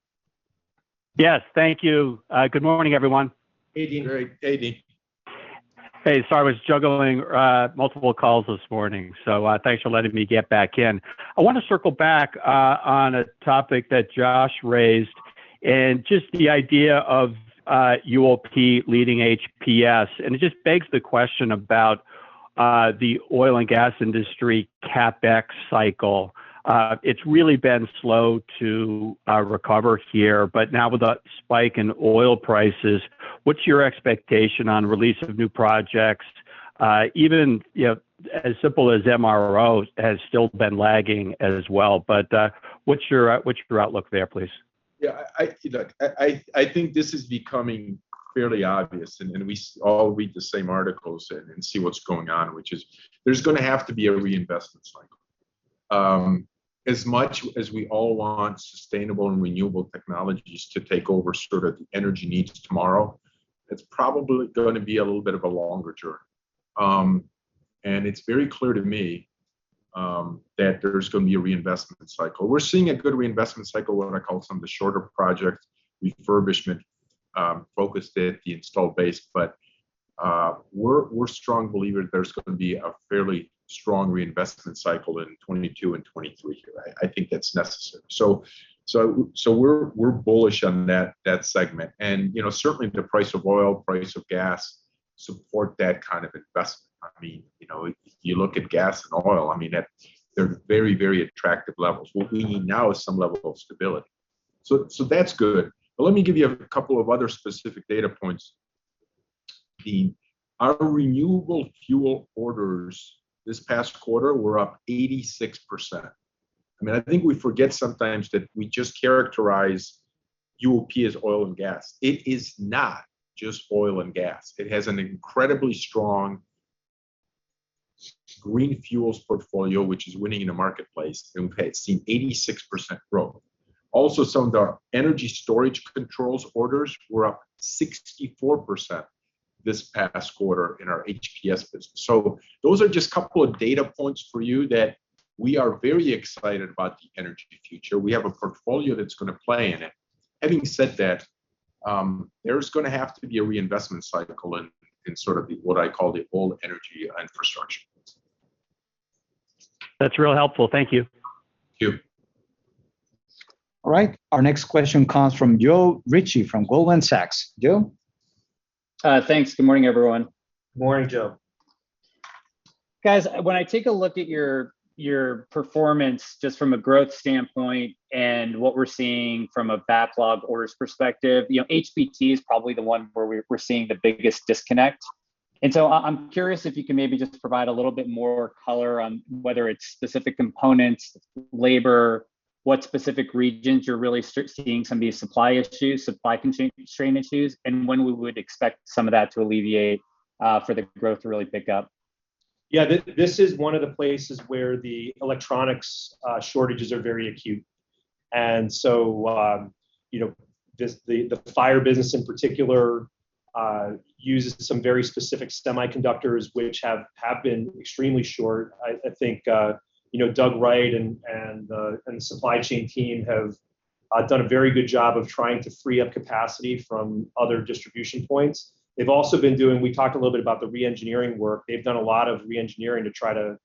O: Yes, thank you. Good morning, everyone.
B: Hey, Deane.
C: Hey. Hey, Deane.
O: Hey, sorry, I was juggling multiple calls this morning, so thanks for letting me get back in. I want to circle back on a topic that Josh raised, and just the idea of UOP leading HPS, and it just begs the question about the oil and gas industry CapEx cycle. It's really been slow to recover here, but now with that spike in oil prices, what's your expectation on release of new projects? Even as simple as MRO has still been lagging as well. What's your outlook there, please.
B: Yeah. I think this is becoming fairly obvious, and we all read the same articles and see what's going on, which is there's going to have to be a reinvestment cycle. As much as we all want sustainable and renewable technologies to take over the energy needs of tomorrow, it's probably going to be a little bit of a longer journey. It's very clear to me that there's going to be a reinvestment cycle. We're seeing a good reinvestment cycle on, I call it, some of the shorter projects, refurbishment-focused at the installed base, but we're strong believers there's going to be a fairly strong reinvestment cycle in 2022 and 2023 here. I think that's necessary. We're bullish on that segment. Certainly, the price of oil, price of gas support that kind of investment. If you look at gas and oil, they're very attractive levels. What we need now is some level of stability. That's good. Let me give you a couple of other specific data points, Dean. Our renewable fuel orders this past quarter were up 86%. I think we forget sometimes that we just characterize UOP as oil and gas. It is not just oil and gas. It has an incredibly strong green fuels portfolio, which is winning in the marketplace, and it's seen 86% growth. Also, some of our energy storage controls orders were up 64% this past quarter in our HPS business. Those are just a couple of data points for you that we are very excited about the energy future. We have a portfolio that's going to play in it. Having said that, there's going to have to be a reinvestment cycle in what I call the old energy infrastructure.
O: That's real helpful. Thank you.
B: Thank you.
D: All right, our next question comes from Joe Ritchie from Goldman Sachs. Joe?
P: Thanks. Good morning, everyone.
B: Morning, Joe.
P: Guys, when I take a look at your performance just from a growth standpoint and what we're seeing from a backlog orders perspective, HBT is probably the one where we're seeing the biggest disconnect. I'm curious if you can maybe just provide a little bit more color on whether it's specific components, labor, what specific regions you're really seeing some of these supply chain strain issues, and when we would expect some of that to alleviate for the growth to really pick up.
C: This is one of the places where the electronics shortages are very acute. The fire business in particular uses some very specific semiconductors, which have been extremely short. I think Doug Wright and the supply chain team have done a very good job of trying to free up capacity from other distribution points. We talked a little bit about the re-engineering work. They've done a lot of re-engineering to try to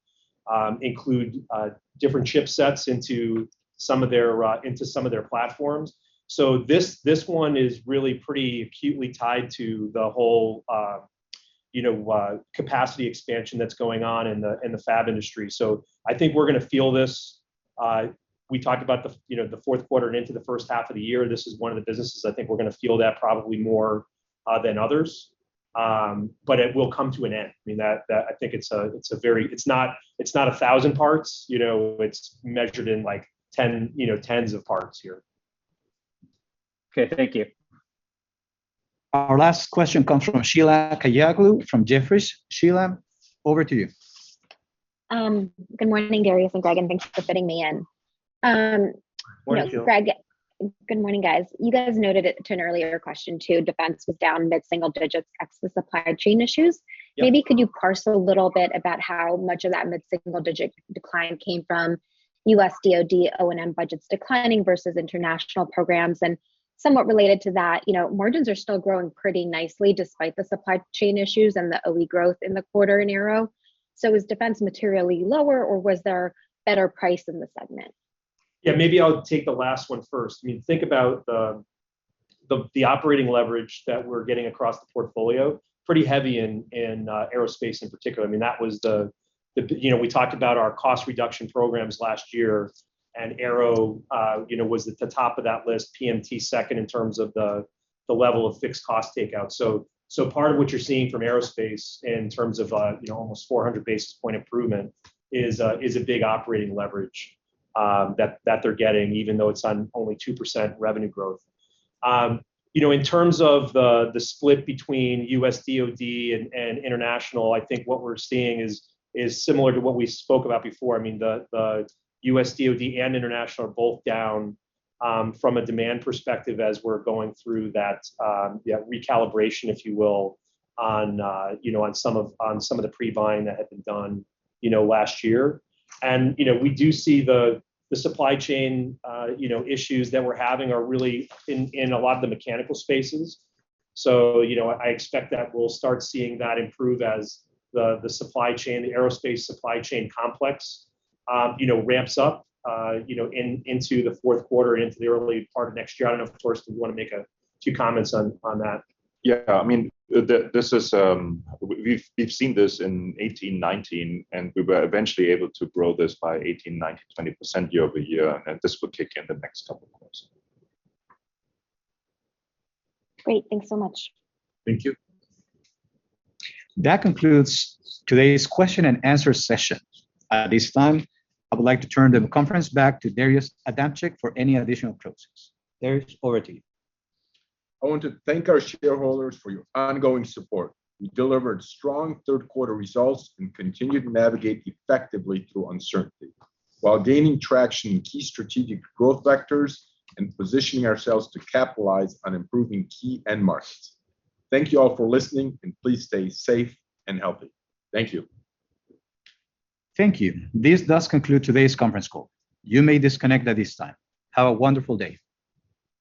C: include different chipsets into some of their platforms. This one is really pretty acutely tied to the whole capacity expansion that's going on in the fab industry. I think we're going to feel this, we talked about the fourth quarter and into the first half of the year, this is one of the businesses I think we're going to feel that probably more than others. It will come to an end. I think it's not 1,000 parts, it's measured in tens of parts here.
P: Okay. Thank you.
D: Our last question comes from Sheila Kahyaoglu from Jefferies. Sheila, over to you.
Q: Good morning, Darius and Greg, and thanks for fitting me in.
C: Morning, Sheila.
Q: Greg. Good morning, guys. You guys noted it to an earlier question too, defense was down mid-single digits ex the supply chain issues.
C: Yeah.
Q: Maybe could you parse a little bit about how much of that mid-single-digit decline came from U.S. DOD O&M budgets declining versus international programs? Somewhat related to that, margins are still growing pretty nicely despite the supply chain issues and the OE growth in the quarter in Aero. Was defense materially lower, or was there better price in the segment?
C: Maybe I'll take the last one first. Think about the operating leverage that we're getting across the portfolio, pretty heavy in aerospace in particular. We talked about our cost reduction programs last year. Aero was at the top of that list, PMT second in terms of the level of fixed cost takeout. Part of what you're seeing from aerospace in terms of almost 400 basis point improvement is a big operating leverage that they're getting even though it's on only 2% revenue growth. In terms of the split between U.S. DOD and international, I think what we're seeing is similar to what we spoke about before. The U.S. DOD and international are both down from a demand perspective as we're going through that recalibration, if you will, on some of the pre-buying that had been done last year. We do see the supply chain issues that we're having are really in a lot of the mechanical spaces. I expect that we'll start seeing that improve as the aerospace supply chain complex ramps up into the fourth quarter, into the early part of next year. I don't know if Torsten would want to make a few comments on that.
K: Yeah. We've seen this in 2018, 2019, and we were eventually able to grow this by 18%, 19%, 20% year-over-year, and this will kick in the next couple of quarters.
Q: Great. Thanks so much.
C: Thank you.
D: That concludes today's question-and-answer session. At this time, I would like to turn the conference back to Darius Adamczyk for any additional processes. Darius, over to you.
B: I want to thank our shareholders for your ongoing support. We delivered strong third quarter results and continued to navigate effectively through uncertainty while gaining traction in key strategic growth vectors and positioning ourselves to capitalize on improving key end markets. Thank you all for listening, and please stay safe and healthy. Thank you.
D: Thank you. This does conclude today's conference call. You may disconnect at this time. Have a wonderful day.